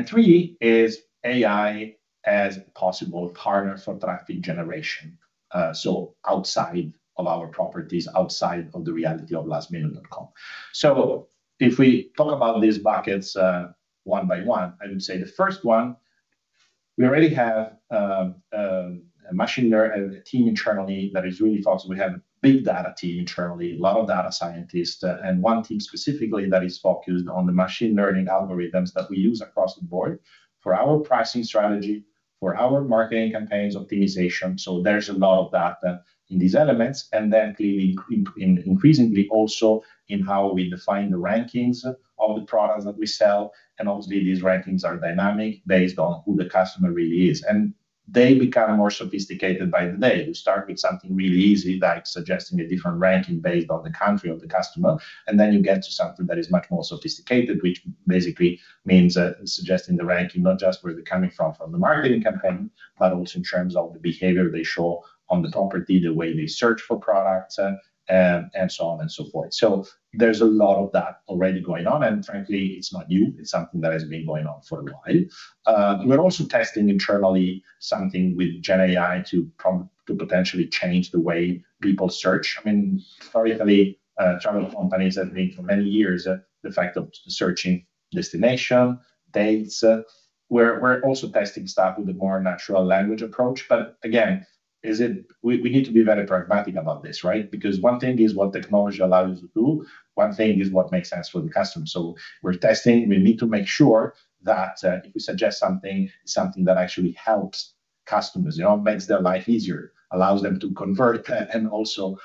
Three is AI as a possible partner for traffic generation, so outside of our properties, outside of the reality of lastminute.com. If we talk about these buckets one by one, I would say the first one, we already have a machine learning team internally that is really focused. We have a big data team internally, a lot of data scientists, and one team specifically that is focused on the machine learning algorithms that we use across the board for our pricing strategy, for our marketing campaigns optimization. There's a lot of data in these elements, and then clearly increasingly also in how we define the rankings of the products that we sell. Obviously, these rankings are dynamic based on who the customer really is. They become more sophisticated by the day. We start with something really easy, like suggesting a different ranking based on the country of the customer, and then you get to something that is much more sophisticated, which basically means suggesting the ranking not just where they're coming from, from the marketing campaign, but also in terms of the behavior they show on the property, the way they search for products, and so on and so forth. There is a lot of that already going on, and frankly, it's not new. It's something that has been going on for a while. We're also testing internally something with GenAI to potentially change the way people search. I mean, historically, travel companies have been for many years the fact of searching destination dates. We're also testing stuff with a more natural language approach. Again, we need to be very pragmatic about this, right? Because one thing is what technology allows you to do. One thing is what makes sense for the customer. We're testing. We need to make sure that if we suggest something, it's something that actually helps customers, makes their life easier, allows them to convert and also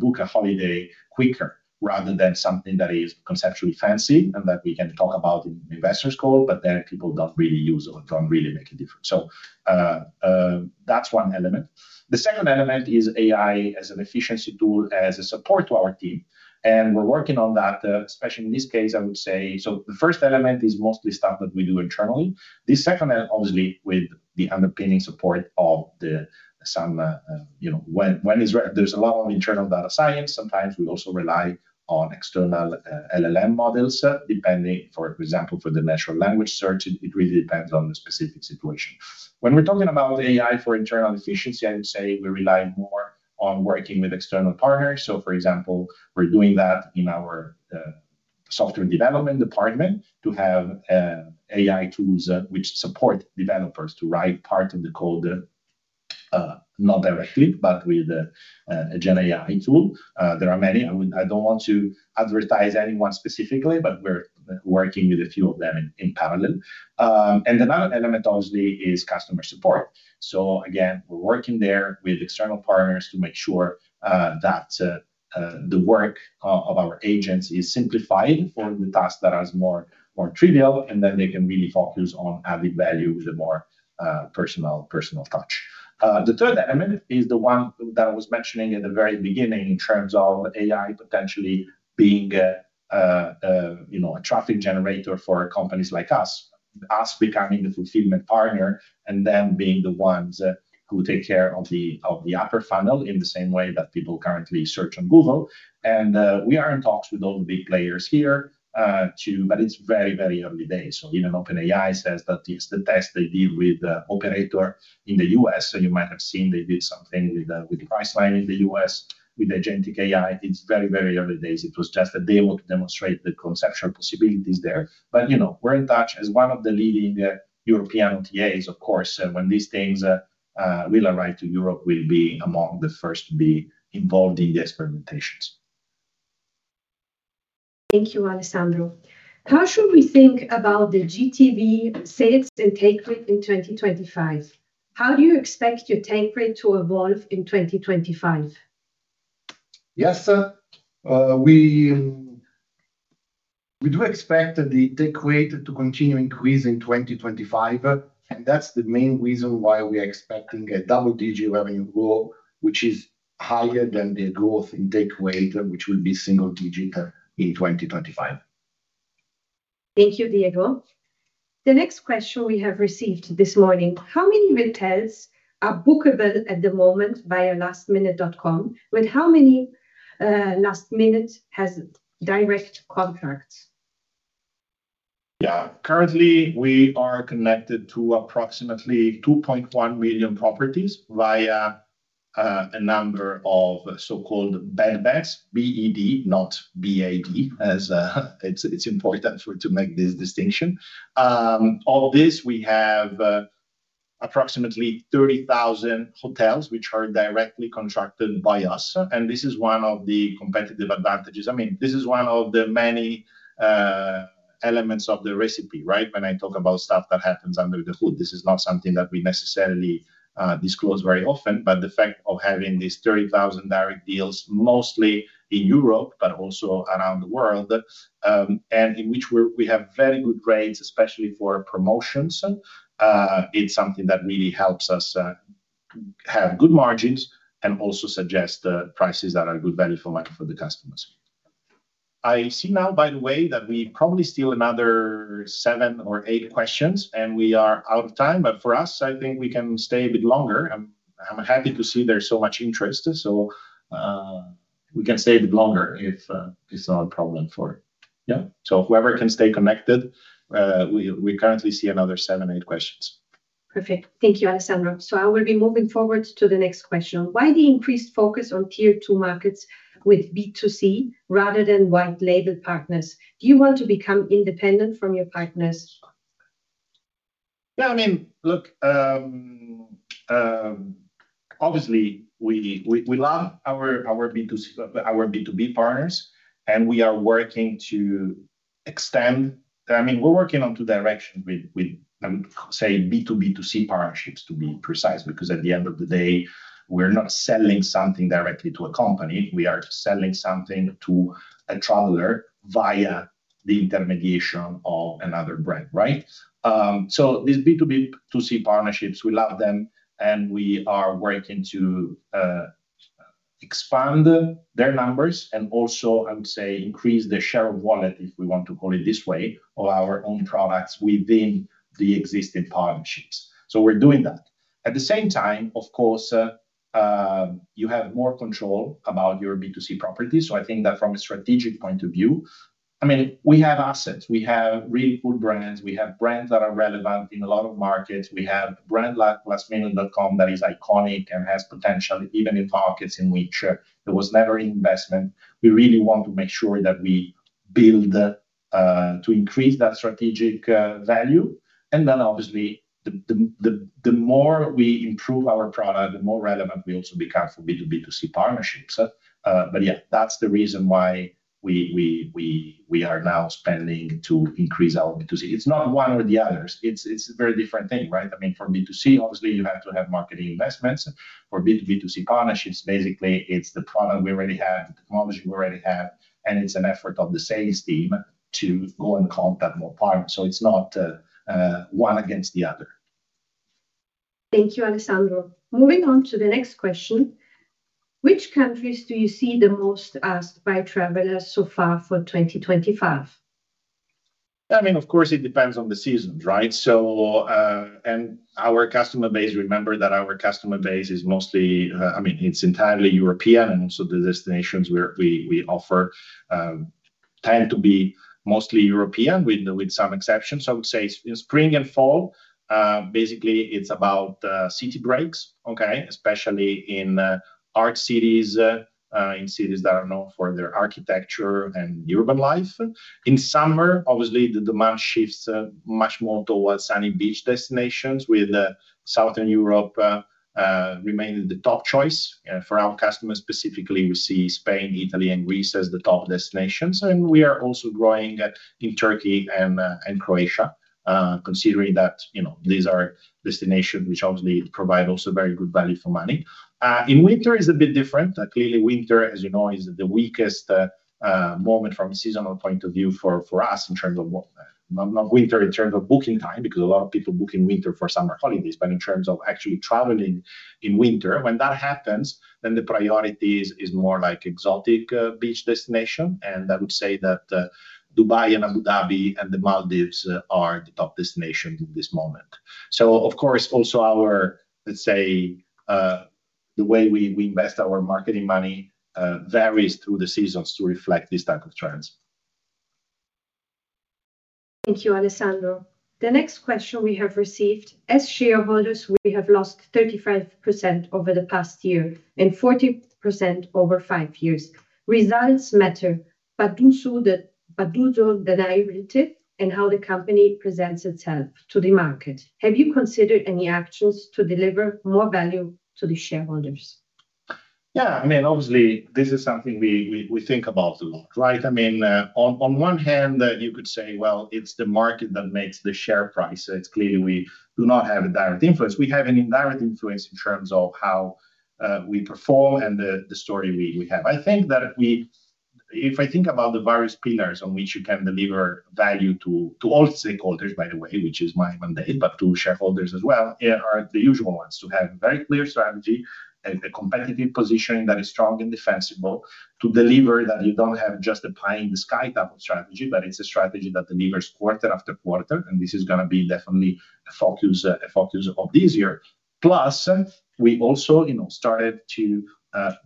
book a holiday quicker rather than something that is conceptually fancy and that we can talk about in investors' call, but then people don't really use or don't really make a difference. That's one element. The second element is AI as an efficiency tool, as a support to our team. We're working on that, especially in this case, I would say. The first element is mostly stuff that we do internally. The second, obviously, with the underpinning support of some, when there's a lot of internal data science, sometimes we also rely on external LLM models, depending, for example, for the natural language search, it really depends on the specific situation. When we're talking about AI for internal efficiency, I would say we rely more on working with external partners. For example, we're doing that in our software development department to have AI tools which support developers to write part of the code, not directly, but with a GenAI tool. There are many. I don't want to advertise anyone specifically, but we're working with a few of them in parallel. Another element, obviously, is customer support. We're working there with external partners to make sure that the work of our agents is simplified for the tasks that are more trivial, and then they can really focus on added value with a more personal touch. The third element is the one that I was mentioning at the very beginning in terms of AI potentially being a traffic generator for companies like us, us becoming the fulfillment partner and then being the ones who take care of the upper funnel in the same way that people currently search on Google. We are in talks with all the big players here, but it's very, very early days. Even OpenAI says that it's the test they did with Operator in the U.S. You might have seen they did something with Priceline in the U.S. with Agentic AI. It's very, very early days. It was just a demo to demonstrate the conceptual possibilities there. We're in touch as one of the leading European OTAs, of course, when these things will arrive to Europe, we'll be among the first to be involved in the experimentations. Thank you, Alessandro. How should we think about the GTV sales and take rate in 2025? How do you expect your take rate to evolve in 2025? Yes, we do expect the take rate to continue increasing in 2025, and that's the main reason why we are expecting a double-digit revenue growth, which is higher than the growth in take rate, which will be single-digit in 2025. Thank you, Diego. The next question we have received this morning, how many retails are bookable at the moment via lastminute.com, with how many lastminute has direct contracts? Yeah, currently, we are connected to approximately 2.1 million properties via a number of so-called bedbanks, B-E-D, not B-A-D. It's important to make this distinction. Of this, we have approximately 30,000 hotels which are directly contracted by us, and this is one of the competitive advantages. I mean, this is one of the many elements of the recipe, right? When I talk about stuff that happens under the hood, this is not something that we necessarily disclose very often, but the fact of having these 30,000 direct deals, mostly in Europe, but also around the world, and in which we have very good rates, especially for promotions, it's something that really helps us have good margins and also suggest prices that are good value for money for the customers. I see now, by the way, that we probably still have another seven or eight questions, and we are out of time, but for us, I think we can stay a bit longer. I'm happy to see there's so much interest, so we can stay a bit longer if it's not a problem for you. Whoever can stay connected, we currently see another seven, eight questions. Perfect. Thank you, Alessandro. I will be moving forward to the next question. Why the increased focus on tier two markets with B2C rather than white-label partners? Do you want to become independent from your partners? Yeah, I mean, look, obviously, we love our B2B partners, and we are working to extend. I mean, we're working on two directions with, I would say, B2B2C partnerships, to be precise, because at the end of the day, we're not selling something directly to a company. We are selling something to a traveler via the intermediation of another brand, right? These B2B2C partnerships, we love them, and we are working to expand their numbers and also, I would say, increase the share of wallet, if we want to call it this way, of our own products within the existing partnerships. We're doing that. At the same time, of course, you have more control about your B2C properties. I think that from a strategic point of view, I mean, we have assets. We have really good brands. We have brands that are relevant in a lot of markets. We have brand lastminute.com that is iconic and has potential even in markets in which there was never investment. We really want to make sure that we build to increase that strategic value. Obviously, the more we improve our product, the more relevant we also become for B2B2C partnerships. Yeah, that's the reason why we are now spending to increase our B2C. It's not one or the other. It's a very different thing, right? I mean, for B2C, obviously, you have to have marketing investments. For B2B2C partnerships, basically, it's the product we already have, the technology we already have, and it's an effort of the sales team to go and contact more partners. It's not one against the other. Thank you, Alessandro. Moving on to the next question. Which countries do you see the most asked by travelers so far for 2025? I mean, of course, it depends on the seasons, right? And our customer base, remember that our customer base is mostly, I mean, it's entirely European, and also the destinations we offer tend to be mostly European with some exceptions. I would say in spring and fall, basically, it's about city breaks, okay? Especially in art cities, in cities that are known for their architecture and urban life. In summer, obviously, the demand shifts much more towards sunny beach destinations, with Southern Europe remaining the top choice for our customers. Specifically, we see Spain, Italy, and Greece as the top destinations. We are also growing in Turkey and Croatia, considering that these are destinations which obviously provide also very good value for money. In winter, it's a bit different. Clearly, winter, as you know, is the weakest moment from a seasonal point of view for us in terms of not winter in terms of booking time, because a lot of people book in winter for summer holidays, but in terms of actually traveling in winter, when that happens, the priority is more like exotic beach destination. I would say that Dubai and Abu Dhabi and the Maldives are the top destinations at this moment. Of course, also our, let's say, the way we invest our marketing money varies through the seasons to reflect these types of trends. Thank you, Alessandro. The next question we have received. As shareholders, we have lost 35% over the past year and 40% over five years. Results matter, but do so the deniability and how the company presents itself to the market. Have you considered any actions to deliver more value to the shareholders? Yeah, I mean, obviously, this is something we think about a lot, right? I mean, on one hand, you could say, well, it's the market that makes the share price. It's clear we do not have a direct influence. We have an indirect influence in terms of how we perform and the story we have. I think that if I think about the various pillars on which you can deliver value to all stakeholders, by the way, which is my mandate, but to shareholders as well, are the usual ones: to have a very clear strategy, a competitive position that is strong and defensible, to deliver that you don't have just a pie-in-the-sky type of strategy, but it's a strategy that delivers quarter after quarter. This is going to be definitely a focus of this year. Plus, we also started to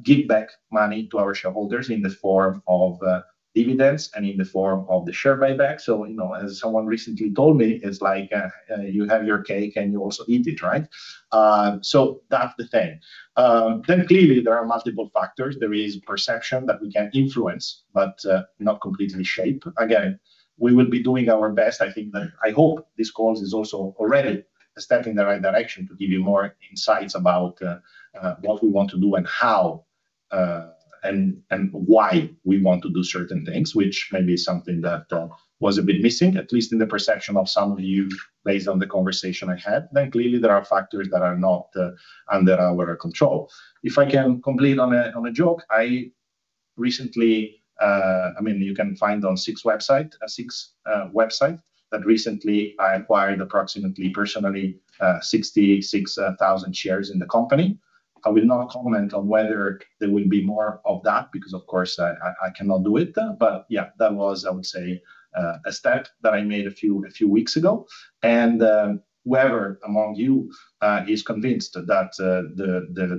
give back money to our shareholders in the form of dividends and in the form of the share buyback. As someone recently told me, it's like you have your cake and you also eat it, right? That's the thing. Clearly, there are multiple factors. There is perception that we can influence, but not completely shape. Again, we will be doing our best. I think that I hope this call is also already a step in the right direction to give you more insights about what we want to do and how and why we want to do certain things, which may be something that was a bit missing, at least in the perception of some of you based on the conversation I had. Clearly, there are factors that are not under our control. If I can complete on a joke, I recently, I mean, you can find on SIX website, a SIX website that recently I acquired approximately personally 66,000 shares in the company. I will not comment on whether there will be more of that because, of course, I cannot do it. That was, I would say, a step that I made a few weeks ago. Whoever among you is convinced that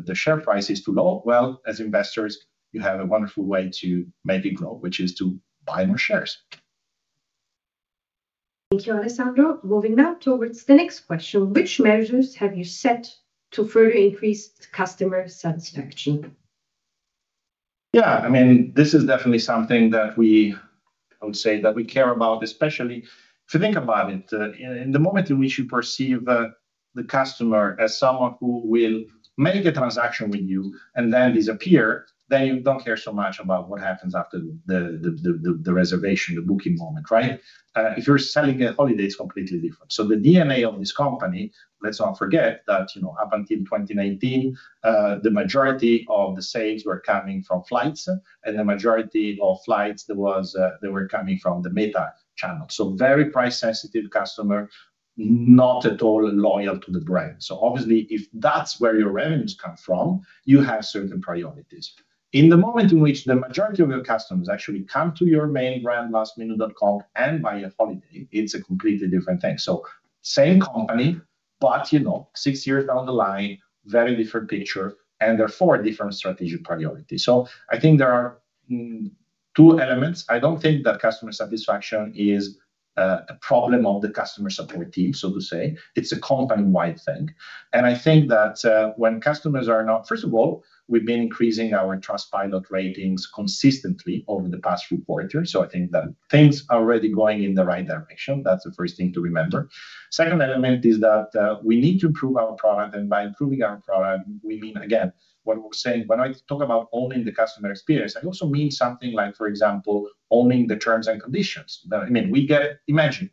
the share price is too low, as investors, you have a wonderful way to make it grow, which is to buy more shares. Thank you, Alessandro. Moving now towards the next question. Which measures have you set to further increase customer satisfaction? I mean, this is definitely something that we, I would say, that we care about, especially if you think about it. In the moment in which you perceive the customer as someone who will make a transaction with you and then disappear, then you do not care so much about what happens after the reservation, the booking moment, right? If you are selling at holidays, completely different. The DNA of this company, let us not forget that up until 2019, the majority of the sales were coming from flights, and the majority of flights were coming from the META channel. Very price-sensitive customer, not at all loyal to the brand. Obviously, if that is where your revenues come from, you have certain priorities. In the moment in which the majority of your customers actually come to your main brand, lastminute.com, and buy a holiday, it is a completely different thing. Same company, but six years down the line, very different picture, and therefore different strategic priority. I think there are two elements. I don't think that customer satisfaction is a problem of the customer support team, so to say. It's a company-wide thing. I think that when customers are not, first of all, we've been increasing our Trustpilot ratings consistently over the past few quarters. I think that things are already going in the right direction. That's the first thing to remember. The second element is that we need to improve our product. By improving our product, we mean, again, what we're saying, when I talk about owning the customer experience, I also mean something like, for example, owning the terms and conditions. I mean, we get, imagine,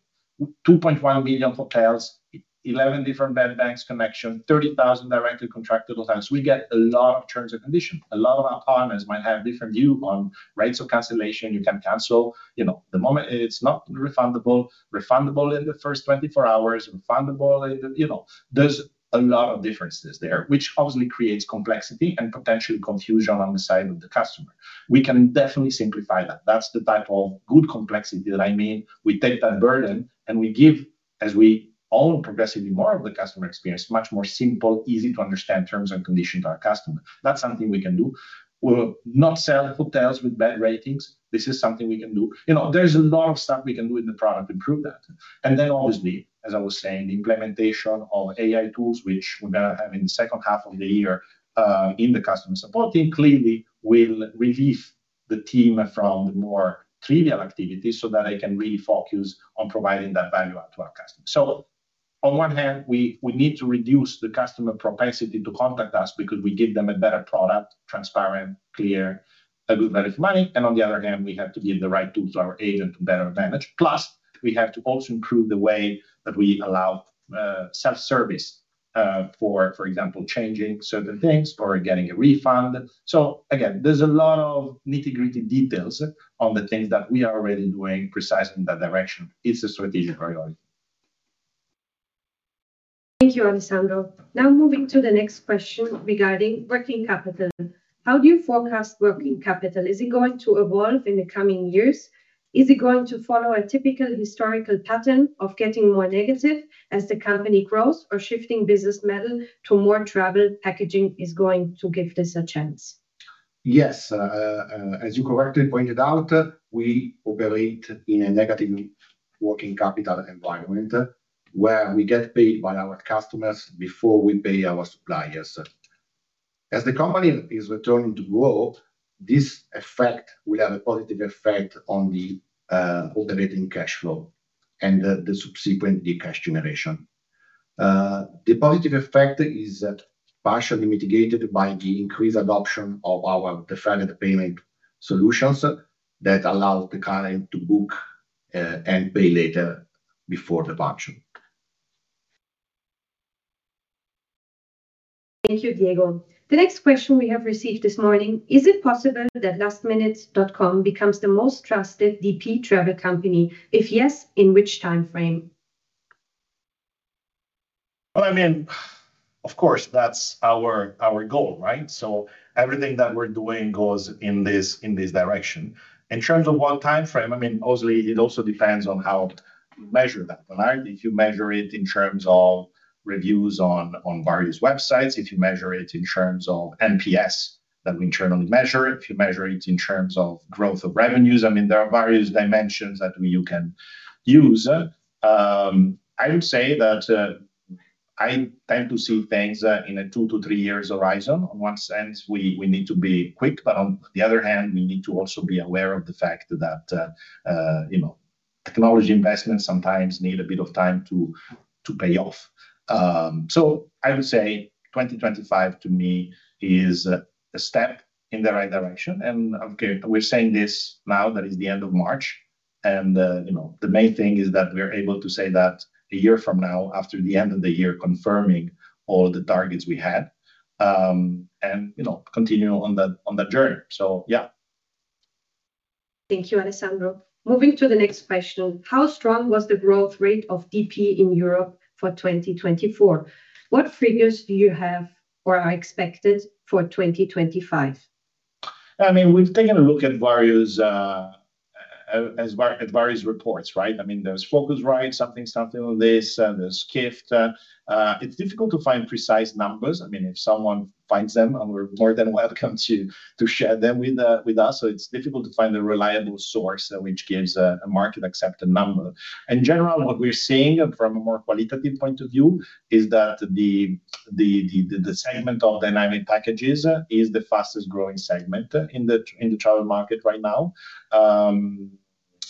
2.1 million hotels, 11 different bedbanks connections, 30,000 directly contracted hotels. We get a lot of terms and conditions. A lot of our partners might have a different view on rates of cancellation. You can cancel the moment it's not refundable, refundable in the first 24 hours, refundable in the, there's a lot of differences there, which obviously creates complexity and potentially confusion on the side of the customer. We can definitely simplify that. That's the type of good complexity that I mean. We take that burden and we give, as we own progressively more of the customer experience, much more simple, easy-to-understand terms and conditions to our customer. That's something we can do. We'll not sell hotels with bad ratings. This is something we can do. There's a lot of stuff we can do in the product to improve that. Obviously, as I was saying, the implementation of AI tools, which we're going to have in the second half of the year in the customer support team, clearly will relieve the team from the more trivial activities so that they can really focus on providing that value to our customers. On one hand, we need to reduce the customer propensity to contact us because we give them a better product, transparent, clear, a good value for money. On the other hand, we have to give the right tools to our agent to better manage. Plus, we have to also improve the way that we allow self-service for, for example, changing certain things or getting a refund. Again, there's a lot of nitty-gritty details on the things that we are already doing precisely in that direction. It's a strategic priority. Thank you, Alessandro. Now moving to the next question regarding working capital. How do you forecast working capital? Is it going to evolve in the coming years? Is it going to follow a typical historical pattern of getting more negative as the company grows or shifting business model to more travel packaging is going to give this a chance? Yes, as you correctly pointed out, we operate in a negative working capital environment where we get paid by our customers before we pay our suppliers. As the company is returning to grow, this effect will have a positive effect on the operating cash flow and the subsequently cash generation. The positive effect is partially mitigated by the increased adoption of our definite payment solutions that allow the client to book and pay later before the puncture. Thank you, Diego. The next question we have received this morning. Is it possible that lastminute.com becomes the most trusted DP travel company? If yes, in which timeframe? I mean, of course, that's our goal, right? Everything that we're doing goes in this direction. In terms of one timeframe, I mean, obviously, it also depends on how you measure that, right? If you measure it in terms of reviews on various websites, if you measure it in terms of NPS that we internally measure, if you measure it in terms of growth of revenues, I mean, there are various dimensions that you can use. I would say that I tend to see things in a two to three years horizon. On one sense, we need to be quick, but on the other hand, we need to also be aware of the fact that technology investments sometimes need a bit of time to pay off. I would say 2025, to me, is a step in the right direction. We're saying this now that it's the end of March. The main thing is that we're able to say that a year from now, after the end of the year, confirming all the targets we had and continue on that journey. Yeah. Thank you, Alessandro. Moving to the next question. How strong was the growth rate of DP in Europe for 2024? What figures do you have or are expected for 2025? I mean, we've taken a look at various reports, right? I mean, there's Phocuswright, something starting on this, there's Skift. It's difficult to find precise numbers. If someone finds them, we're more than welcome to share them with us. It's difficult to find a reliable source which gives a market-accepted number. In general, what we're seeing from a more qualitative point of view is that the segment of dynamic packages is the fastest-growing segment in the travel market right now.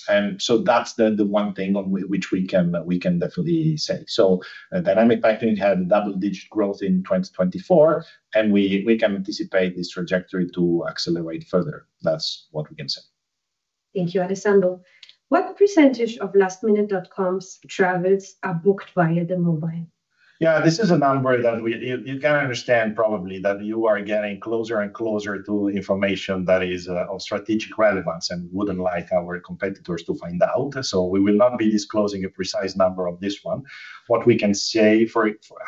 That's the one thing on which we can definitely say. Dynamic packaging had a double-digit growth in 2024, and we can anticipate this trajectory to accelerate further. That's what we can say. Thank you, Alessandro. What percentage of lastminute.com's travels are booked via the mobile? Yeah, this is a number that you can understand probably that you are getting closer and closer to information that is of strategic relevance and wouldn't like our competitors to find out. We will not be disclosing a precise number on this one. What we can say,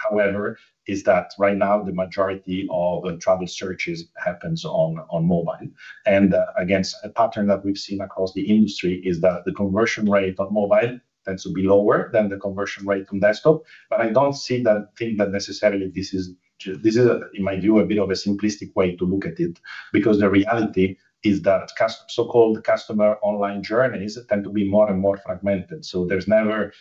however, is that right now, the majority of travel searches happens on mobile. A pattern that we've seen across the industry is that the conversion rate on mobile tends to be lower than the conversion rate on desktop. I don't see that thing that necessarily this is, in my view, a bit of a simplistic way to look at it, because the reality is that so-called customer online journeys tend to be more and more fragmented. There's never,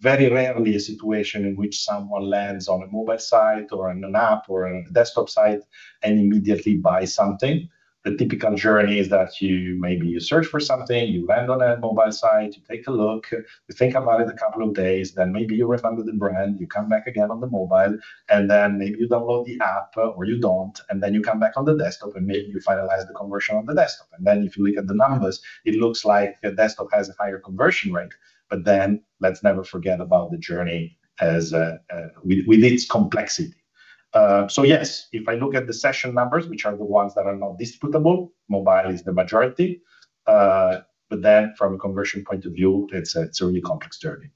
very rarely, a situation in which someone lands on a mobile site or an app or a desktop site and immediately buys something. The typical journey is that maybe you search for something, you land on a mobile site, you take a look, you think about it a couple of days, then maybe you remember the brand, you come back again on the mobile, and then maybe you download the app or you don't, and then you come back on the desktop and maybe you finalize the conversion on the desktop. If you look at the numbers, it looks like your desktop has a higher conversion rate, but let's never forget about the journey with its complexity. Yes, if I look at the session numbers, which are the ones that are not disputable, mobile is the majority. From a conversion point of view, it's a really complex journey.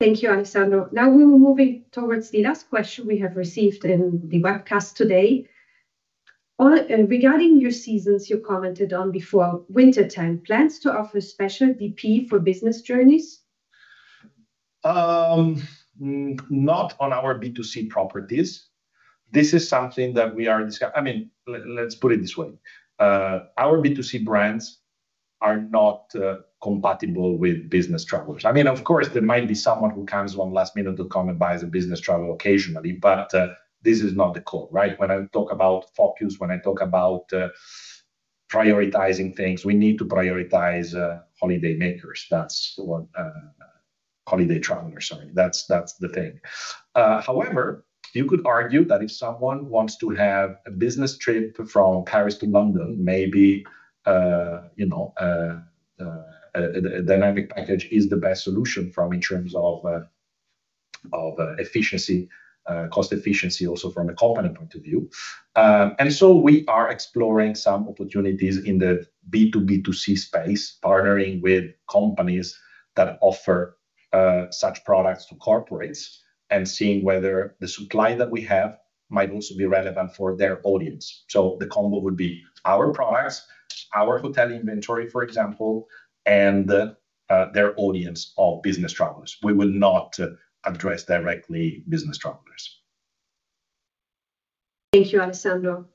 Thank you, Alessandro. Now we will move towards the last question we have received in the webcast today. Regarding your seasons, you commented on before winter time, plans to offer special DP for business journeys? Not on our B2C properties. This is something that we are discussing. I mean, let's put it this way. Our B2C brands are not compatible with business travelers. I mean, of course, there might be someone who comes on lastminute.com and buys a business travel occasionally, but this is not the call, right? When I talk about focus, when I talk about prioritizing things, we need to prioritize holidaymakers. That's what holiday travelers, sorry, that's the thing. However, you could argue that if someone wants to have a business trip from Paris to London, maybe a dynamic package is the best solution from in terms of efficiency, cost efficiency, also from a company point of view. We are exploring some opportunities in the B2B2C space, partnering with companies that offer such products to corporates and seeing whether the supply that we have might also be relevant for their audience. The combo would be our products, our hotel inventory, for example, and their audience of business travelers. We will not address directly business travelers. Thank you, Alessandro.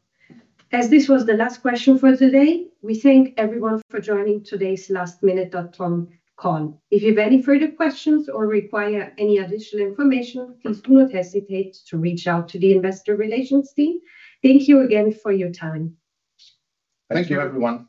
As this was the last question for today, we thank everyone for joining today's lastminute.com call. If you have any further questions or require any additional information, please do not hesitate to reach out to the investor relations team. Thank you again for your time. Thank you, everyone.